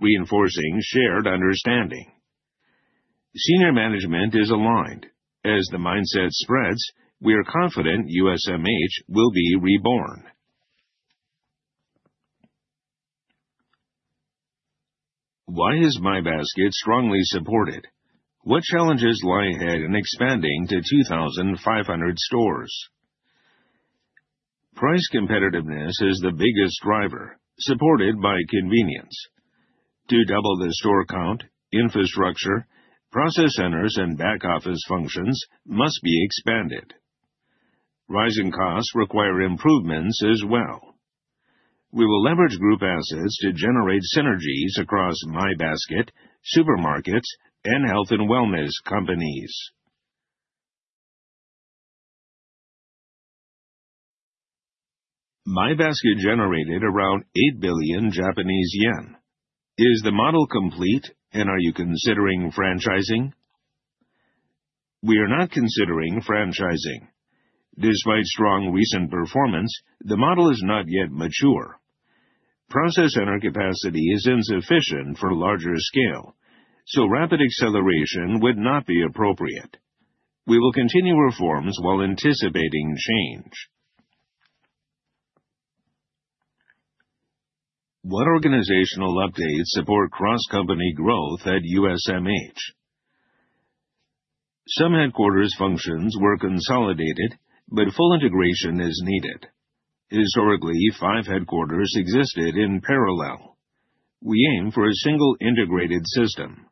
reinforcing shared understanding. Senior management is aligned. As the mindset spreads, we are confident USMH will be reborn. Why is My Basket strongly supported? What challenges lie ahead in expanding to 2,500 stores? Price competitiveness is the biggest driver, supported by convenience. To double the store count, infrastructure, process centers, and back-office functions must be expanded. Rising costs require improvements as well. We will leverage group assets to generate synergies across My Basket, supermarkets, and health and wellness companies. My Basket generated around 8 billion Japanese yen. Is the model complete, and are you considering franchising? We are not considering franchising. Despite strong recent performance, the model is not yet mature. Process center capacity is insufficient for larger scale, so rapid acceleration would not be appropriate. We will continue reforms while anticipating change. What organizational updates support cross-company growth at USMH? Some headquarters functions were consolidated, but full integration is needed. Historically, five headquarters existed in parallel. We aim for a single integrated system.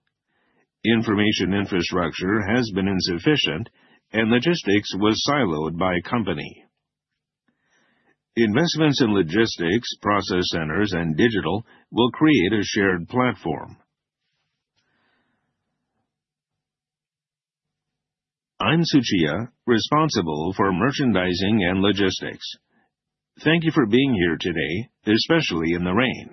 Information infrastructure has been insufficient, and logistics was siloed by company. Investments in logistics, process centers, and digital will create a shared platform. I'm Tsuchiya, responsible for merchandising and logistics. Thank you for being here today, especially in the rain.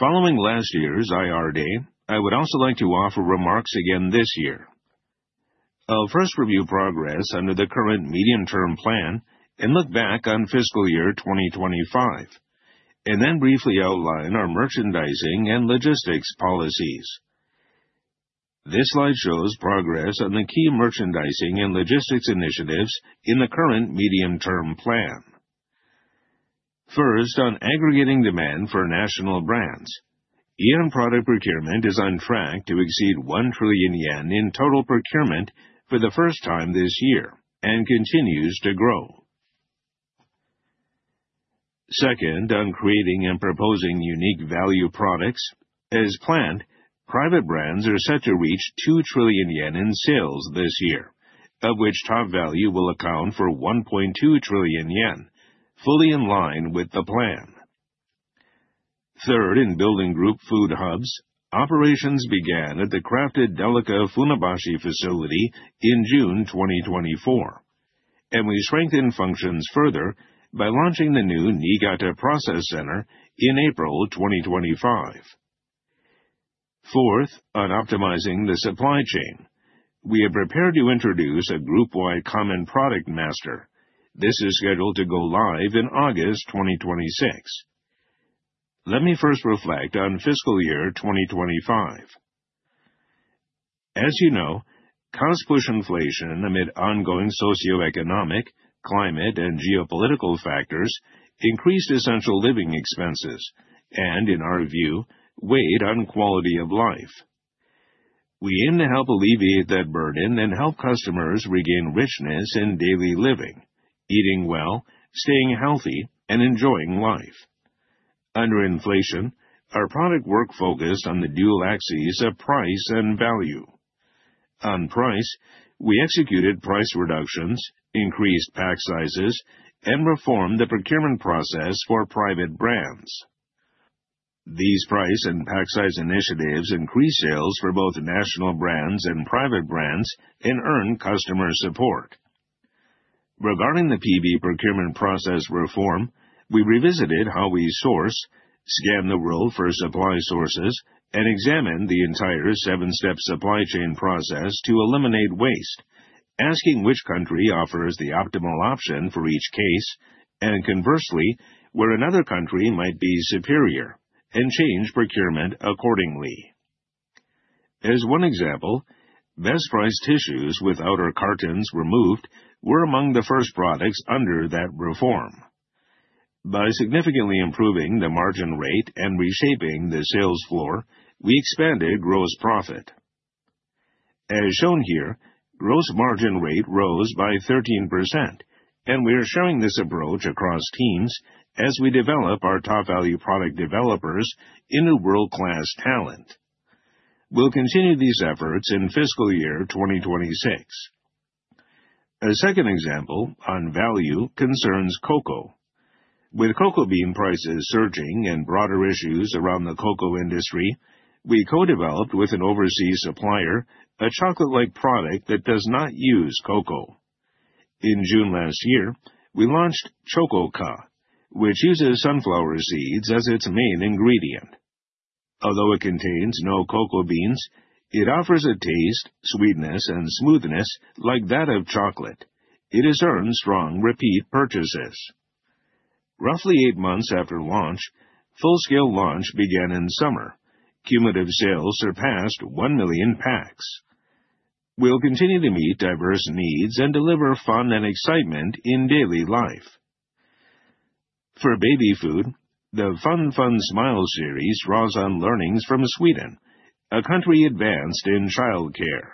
Following last year's IR day, I would also like to offer remarks again this year. I'll first review progress under the current medium-term plan and look back on fiscal year 2025 and then briefly outline our merchandising and logistics policies. This slide shows progress on the key merchandising and logistics initiatives in the current medium-term plan. First, on aggregating demand for national brands. Aeon product procurement is on track to exceed 1 trillion yen in total procurement for the first time this year and continues to grow. Second, on creating and proposing unique value products. As planned, private brands are set to reach 2 trillion yen in sales this year, of which Topvalu will account for 1.2 trillion yen, fully in line with the plan. Third, in building group food hubs, operations began at the Crafted Delica Funabashi facility in June 2024. We strengthened functions further by launching the new Niigata Process Center in April 2025. Fourth, on optimizing the supply chain. We have prepared to introduce a group-wide Common Product Master. This is scheduled to go live in August 2026. Let me first reflect on fiscal year 2025. As you know, cost-push inflation amid ongoing socioeconomic, climate, and geopolitical factors increased essential living expenses and, in our view, weighed on quality of life. We aim to help alleviate that burden and help customers regain richness in daily living, eating well, staying healthy, and enjoying life. Under inflation, our product work focused on the dual axes of price and value. On price, we executed price reductions, increased pack sizes, and reformed the procurement process for private brands. These price and pack size initiatives increased sales for both national brands and private brands and earned customer support. Regarding the PB procurement process reform, we revisited how we source, scan the world for supply sources, and examine the entire seven-step supply chain process to eliminate waste, asking which country offers the optimal option for each case, and conversely, where another country might be superior, and change procurement accordingly. As one example, Bestprice tissues with outer cartons removed were among the first products under that reform. By significantly improving the margin rate and reshaping the sales floor, we expanded gross profit. As shown here, gross margin rate rose by 13%, and we are showing this approach across teams as we develop our Topvalu product developers into world-class talent. We'll continue these efforts in fiscal year 2026. A second example on value concerns cocoa. With cocoa bean prices surging and broader issues around the cocoa industry, we co-developed with an overseas supplier a chocolate-like product that does not use cocoa. In June last year, we launched Chococa, which uses sunflower seeds as its main ingredient. Although it contains no cocoa beans, it offers a taste, sweetness, and smoothness like that of chocolate. It has earned strong repeat purchases. Roughly eight months after launch, full-scale launch began in summer. Cumulative sales surpassed 1 million packs. We'll continue to meet diverse needs and deliver fun and excitement in daily life. For baby food, the fun fun smile series draws on learnings from Sweden, a country advanced in childcare.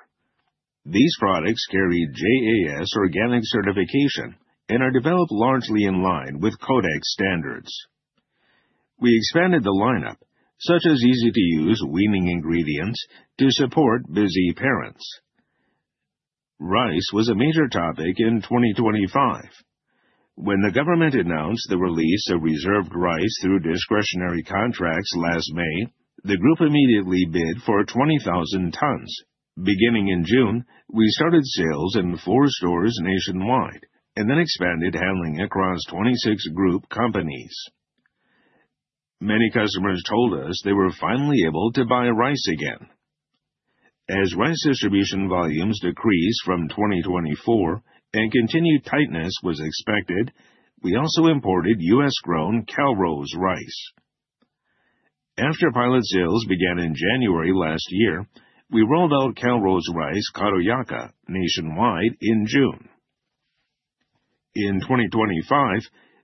These products carry JAS organic certification and are developed largely in line with Codex standards. We expanded the lineup, such as easy-to-use weaning ingredients to support busy parents. Rice was a major topic in 2025. When the government announced the release of reserved rice through discretionary contracts last May, the group immediately bid for 20,000 tons. Beginning in June, we started sales in four stores nationwide and then expanded handling across 26 group companies. Many customers told us they were finally able to buy rice again. As rice distribution volumes decreased from 2024 and continued tightness was expected, we also imported US-grown Calrose rice. After pilot sales began in January last year, we rolled out Calrose rice, Karoyaka, nationwide in June. In 2025,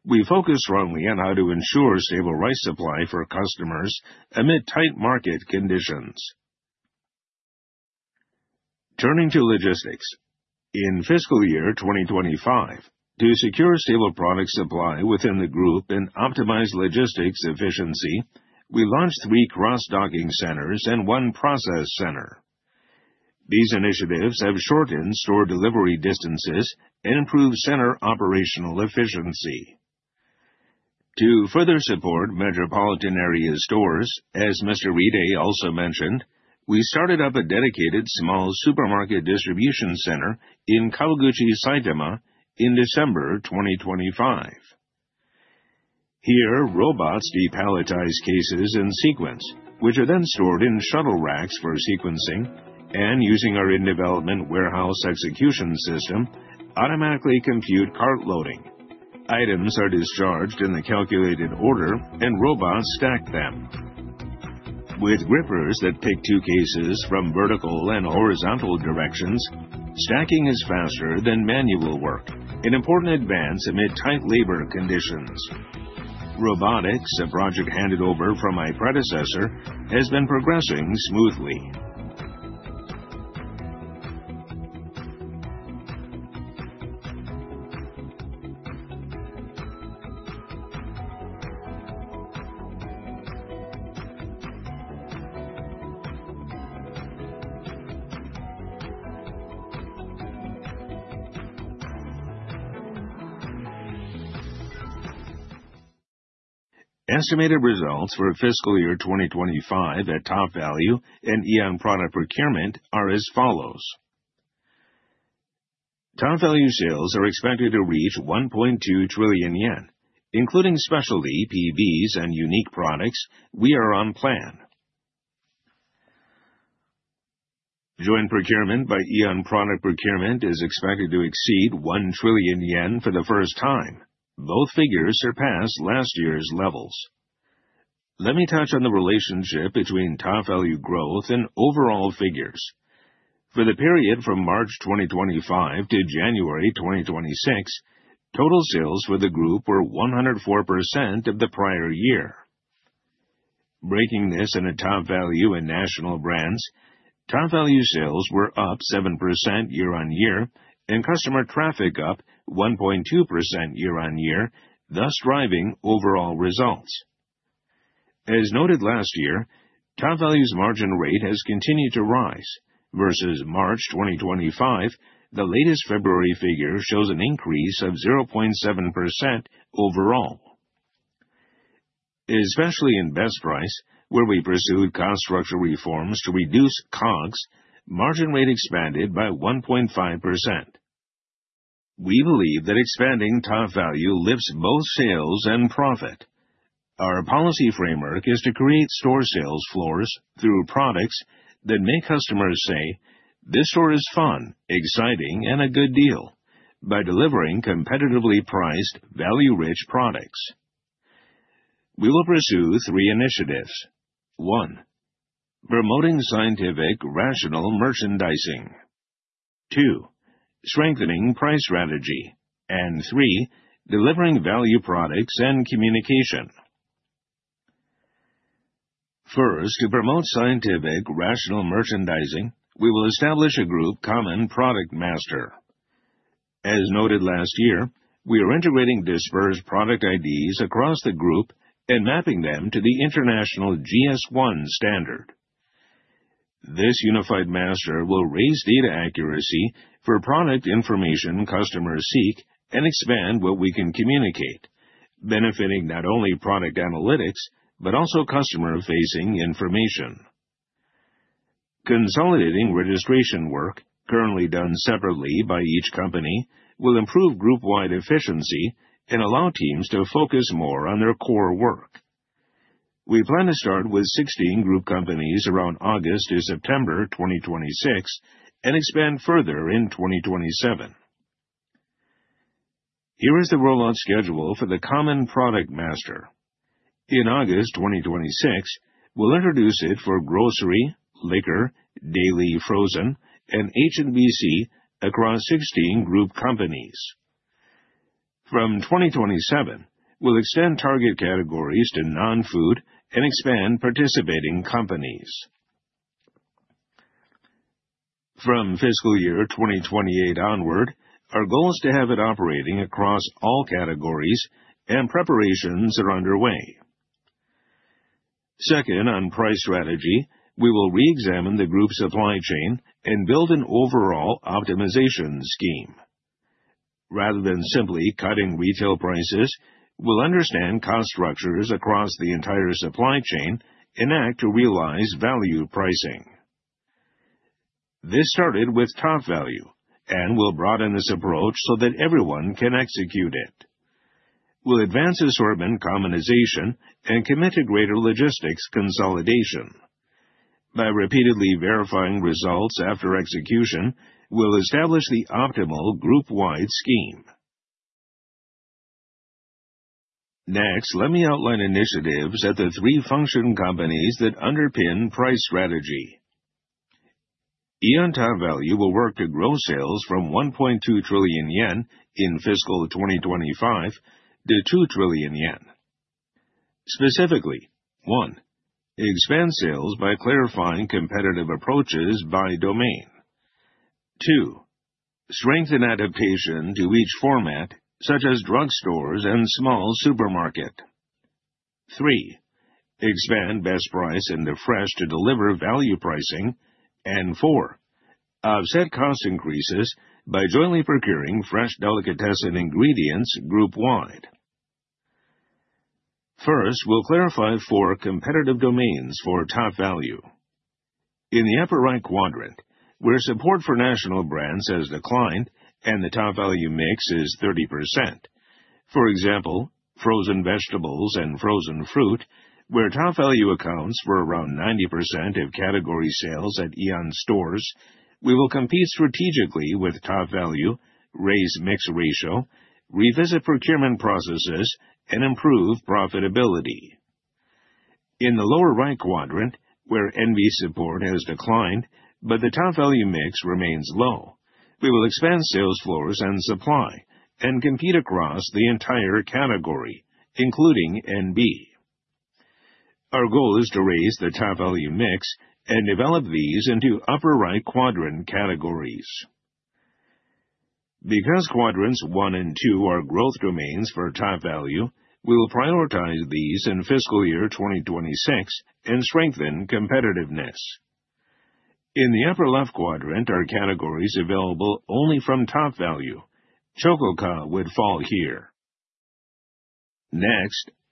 we focused wrongly on how to ensure stable rice supply for customers amid tight market conditions. Turning to logistics. In FY 2025, to secure stable product supply within the group and optimize logistics efficiency, we launched three cross-docking centers and one process center. These initiatives have shortened store delivery distances and improved center operational efficiency. To further support metropolitan area stores, as Mr. Riday also mentioned, we started up a dedicated small supermarket distribution center in Kawaguchi, Saitama, in December 2025. Here, robots depalletize cases in sequence, which are then stored in shuttle racks for sequencing and using our in-development warehouse execution system, automatically compute cart loading. Items are discharged in the calculated order, and robots stack them. With grippers that pick two cases from vertical and horizontal directions, stacking is faster than manual work, an important advance amid tight labor conditions. Robotics, a project handed over from my predecessor, has been progressing smoothly. Estimated results for FY 2025 at Topvalu and Aeon product procurement are as follows. Topvalu sales are expected to reach 1.2 trillion yen, including specialty PBs and unique products we are on plan. Joint procurement by Aeon product procurement is expected to exceed 1 trillion yen for the first time. Both figures surpassed last year's levels. Let me touch on the relationship between Topvalu growth and overall figures. For the period from March 2025 to January 2026, total sales for the group were 104% of the prior year. Breaking this into Topvalu and National Brands, Topvalu sales were up 7% year-on-year and customer traffic up 1.2% year-on-year, thus driving overall results. As noted last year, Topvalu's margin rate has continued to rise. Versus March 2025, the latest February figure shows an increase of 0.7% overall. Especially in Bestprice, where we pursued cost structure reforms to reduce COGS, margin rate expanded by 1.5%. We believe that expanding Topvalu lifts both sales and profit. Our policy framework is to create store sales floors through products that make customers say, "This store is fun, exciting, and a good deal" by delivering competitively priced, value-rich products. We will pursue three initiatives. One, promoting scientific, rational merchandising. Two, strengthening price strategy. Three, delivering value products and communication. First, to promote scientific, rational merchandising, we will establish a group Common Product Master. As noted last year, we are integrating dispersed product IDs across the group and mapping them to the international GS1 standard. This unified master will raise data accuracy for product information customers seek and expand what we can communicate, benefiting not only product analytics, but also customer-facing information. Consolidating registration work, currently done separately by each company, will improve group-wide efficiency and allow teams to focus more on their core work. We plan to start with 16 group companies around August to September 2026 and expand further in 2027. Here is the rollout schedule for the Common Product Master. In August 2026, we'll introduce it for grocery, liquor, daily frozen, and HBC across 16 group companies. From 2027, we'll extend target categories to non-food and expand participating companies. From FY 2028 onward, our goal is to have it operating across all categories, and preparations are underway. Second, on price strategy, we will reexamine the group supply chain and build an overall optimization scheme. Rather than simply cutting retail prices, we'll understand cost structures across the entire supply chain and act to realize value pricing. This started with Topvalu and we'll broaden this approach so that everyone can execute it. We'll advance assortment commonization and commit to greater logistics consolidation. By repeatedly verifying results after execution, we'll establish the optimal group-wide scheme. Let me outline initiatives at the three function companies that underpin price strategy. Aeon Topvalu will work to grow sales from 1.2 trillion yen in FY 2025 to 2 trillion yen. Specifically, one, expand sales by clarifying competitive approaches by domain. Two, strengthen adaptation to each format, such as drugstores and small supermarket. Three, expand Bestprice into fresh to deliver value pricing. Four, offset cost increases by jointly procuring fresh delicatessen ingredients group-wide. First, we'll clarify four competitive domains for Topvalu. In the upper right quadrant, where support for national brands has declined and the Topvalu mix is 30%. For example, frozen vegetables and frozen fruit, where Topvalu accounts for around 90% of category sales at Aeon stores, we will compete strategically with Topvalu, raise mix ratio, revisit procurement processes, and improve profitability. In the lower right quadrant, where NB support has declined, but the Topvalu mix remains low, we will expand sales floors and supply and compete across the entire category, including NB. Our goal is to raise the Topvalu mix and develop these into upper right quadrant categories. Because quadrants 1 and 2 are growth domains for Topvalu, we will prioritize these in FY 2026 and strengthen competitiveness. In the upper left quadrant are categories available only from Topvalu. Chococa? would fall here.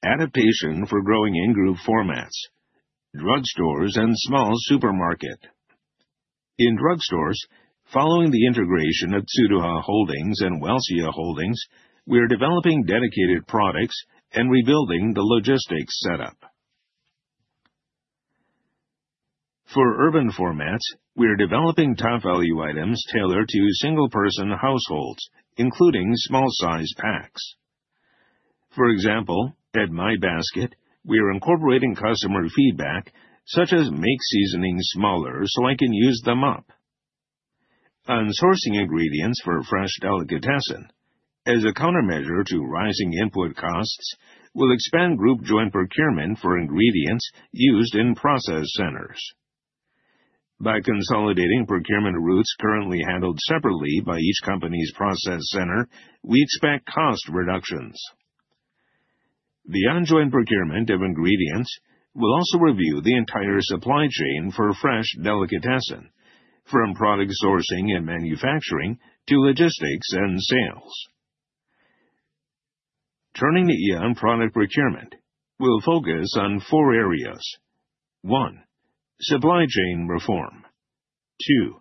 Adaptation for growing in group formats, drugstores, and small supermarket. In drugstores, following the integration of Tsuruha Holdings and Welcia Holdings, we are developing dedicated products and rebuilding the logistics setup. For urban formats, we are developing Topvalu items tailored to single-person households, including small-sized packs. For example, at My Basket, we are incorporating customer feedback such as, "Make seasonings smaller so I can use them up." Sourcing ingredients for fresh delicatessen. As a countermeasure to rising input costs, we'll expand group joint procurement for ingredients used in process centers. By consolidating procurement routes currently handled separately by each company's process center, we expect cost reductions. The ongoing procurement of ingredients will also review the entire supply chain for fresh delicatessen, from product sourcing and manufacturing to logistics and sales. Turning to Aeon product procurement, we'll focus on four areas. One, supply chain reform. Two,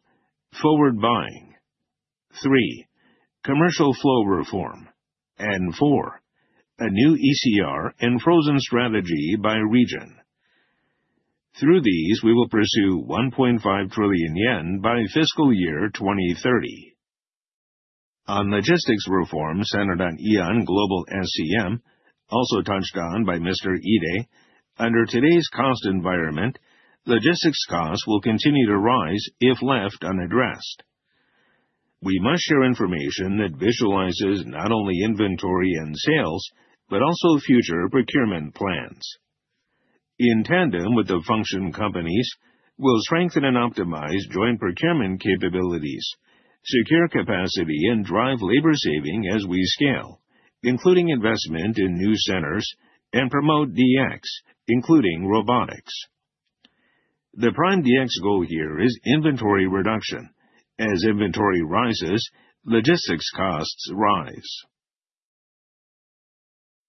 forward buying. Three, commercial flow reform. Four, a new ECR and frozen strategy by region. Through these, we will pursue 1.5 trillion yen by FY 2030. On logistics reform centered on AEON GLOBAL SCM, also touched on by Mr. Ide, under today's cost environment, logistics costs will continue to rise if left unaddressed. We must share information that visualizes not only inventory and sales, but also future procurement plans. In tandem with the function companies, we'll strengthen and optimize joint procurement capabilities, secure capacity, and drive labor saving as we scale, including investment in new centers and promote DX, including robotics. The prime DX goal here is inventory reduction. As inventory rises, logistics costs rise.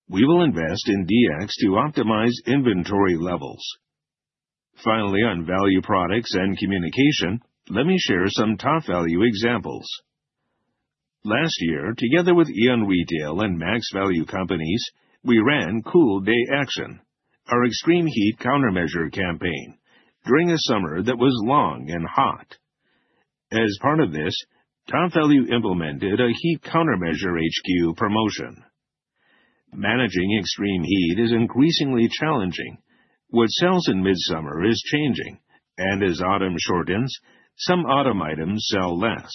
We will invest in DX to optimize inventory levels. Finally, on value products and communication, let me share some Topvalu examples. Last year, together with Aeon Retail and MaxValu companies, we ran COOL de ACTION, our extreme heat countermeasure campaign, during a summer that was long and hot. As part of this, Topvalu implemented a heat countermeasure HQ promotion. Managing extreme heat is increasingly challenging. What sells in midsummer is changing, and as autumn shortens, some autumn items sell less.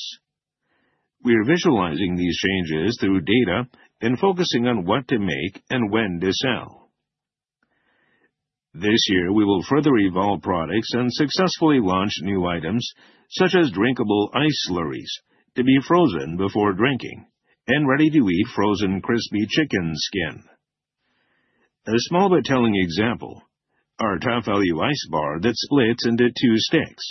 We are visualizing these changes through data and focusing on what to make and when to sell. This year, we will further evolve products and successfully launch new items such as drinkable ice slurries to be frozen before drinking and ready-to-eat frozen crispy chicken skin. A small but telling example, our Topvalu ice bar that splits into two sticks.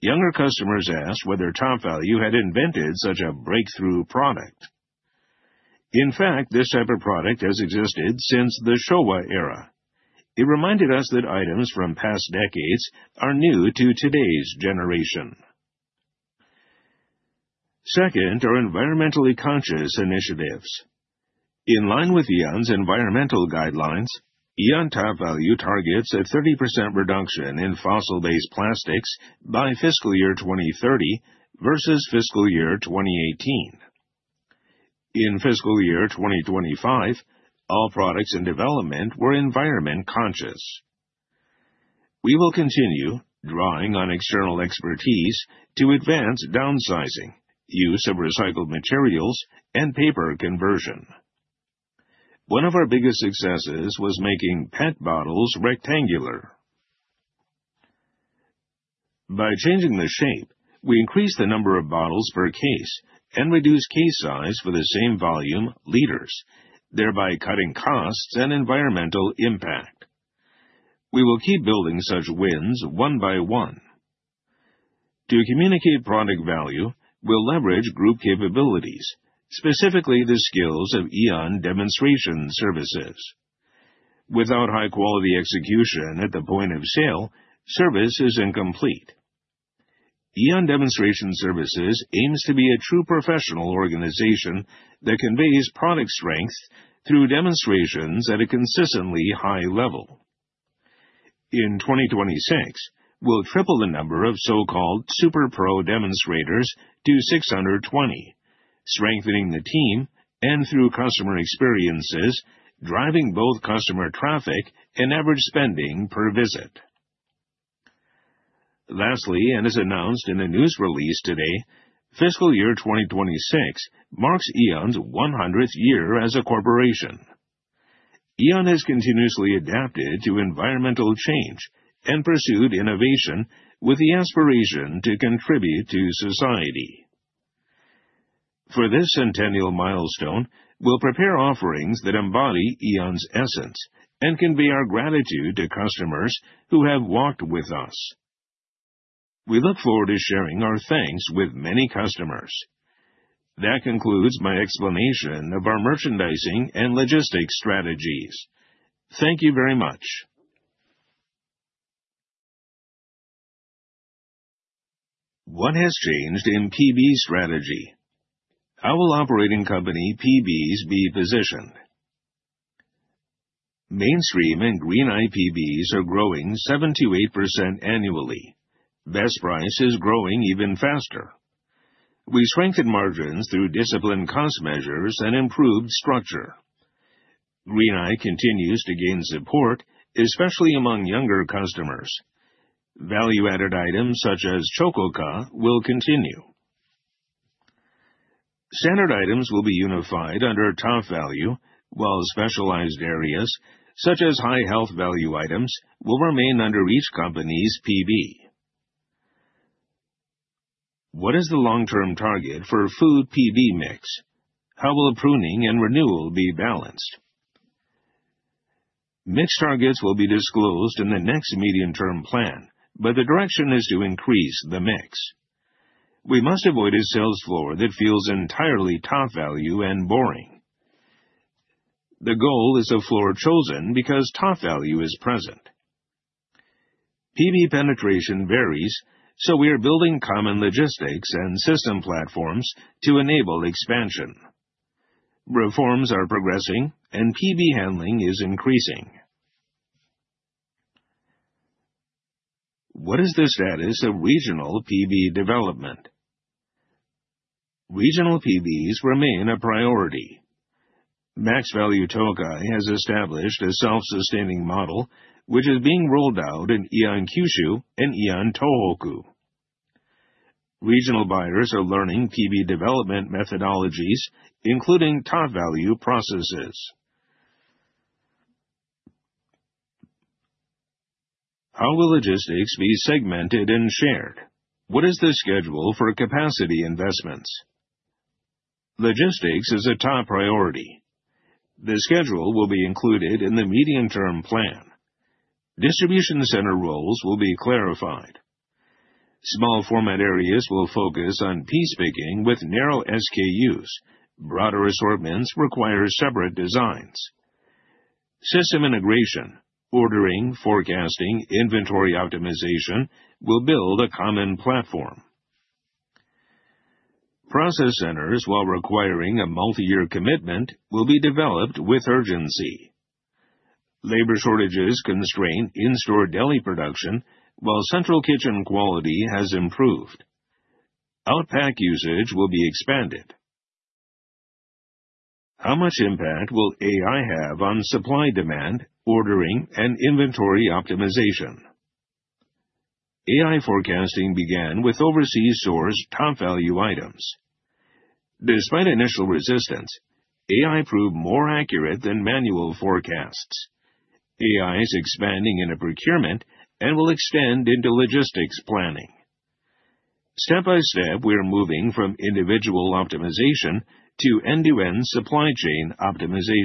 Younger customers asked whether Topvalu had invented such a breakthrough product. In fact, this type of product has existed since the Showa era. It reminded us that items from past decades are new to today's generation. Second are environmentally conscious initiatives. In line with Aeon's environmental guidelines, Aeon Topvalu targets a 30% reduction in fossil-based plastics by FY 2030 versus FY 2018. In FY 2025, all products in development were environment conscious. We will continue drawing on external expertise to advance downsizing, use of recycled materials, and paper conversion. One of our biggest successes was making PET bottles rectangular. By changing the shape, we increase the number of bottles per case and reduce case size for the same volume, liters, thereby cutting costs and environmental impact. We will keep building such wins one by one. To communicate product value, we'll leverage group capabilities, specifically the skills of Aeon Demonstration Services. Without high-quality execution at the point of sale, service is incomplete. Aeon Demonstration Services aims to be a true professional organization that conveys product strength through demonstrations at a consistently high level. In 2026, we'll triple the number of so-called super pro demonstrators to 620, strengthening the team, and through customer experiences, driving both customer traffic and average spending per visit. Lastly, as announced in the news release today, FY 2026 marks Aeon's 100th year as a corporation. Aeon has continuously adapted to environmental change and pursued innovation with the aspiration to contribute to society. For this centennial milestone, we'll prepare offerings that embody Aeon's essence and convey our gratitude to customers who have walked with us. We look forward to sharing our thanks with many customers. That concludes my explanation of our merchandising and logistics strategies. Thank you very much. What has changed in PB strategy? How will operating company PBs be positioned? Mainstream and Green Eye PBs are growing 78% annually. Bestprice is growing even faster. We strengthen margins through disciplined cost measures and improved structure. Green Eye continues to gain support, especially among younger customers. Value-added items such as Chococa? will continue. Standard items will be unified under Topvalu, while specialized areas, such as high health value items, will remain under each company's PB. What is the long-term target for food PB mix? How will pruning and renewal be balanced? Mix targets will be disclosed in the next medium-term plan, but the direction is to increase the mix. We must avoid a sales floor that feels entirely Topvalu and boring. The goal is a floor chosen because Topvalu is present. PB penetration varies, so we are building common logistics and system platforms to enable expansion. Reforms are progressing, and PB handling is increasing. What is the status of regional PB development? Regional PBs remain a priority. Maxvalu Tokai has established a self-sustaining model, which is being rolled out in AEON KYUSHU and AEON TOHOKU. Regional buyers are learning PB development methodologies, including Topvalu processes. How will logistics be segmented and shared? What is the schedule for capacity investments? Logistics is a top priority. The schedule will be included in the medium-term plan. Distribution center roles will be clarified. Small format areas will focus on piece picking with narrow SKUs. Broader assortments require separate designs. System integration, ordering, forecasting, inventory optimization will build a common platform. Process centers, while requiring a multi-year commitment, will be developed with urgency. Labor shortages constrain in-store deli production, while central kitchen quality has improved. Outpack usage will be expanded. How much impact will AI have on supply-demand, ordering, and inventory optimization? AI forecasting began with overseas sourced Topvalu items. Despite initial resistance, AI proved more accurate than manual forecasts. AI is expanding into procurement and will extend into logistics planning. Step by step, we're moving from individual optimization to end-to-end supply chain optimization.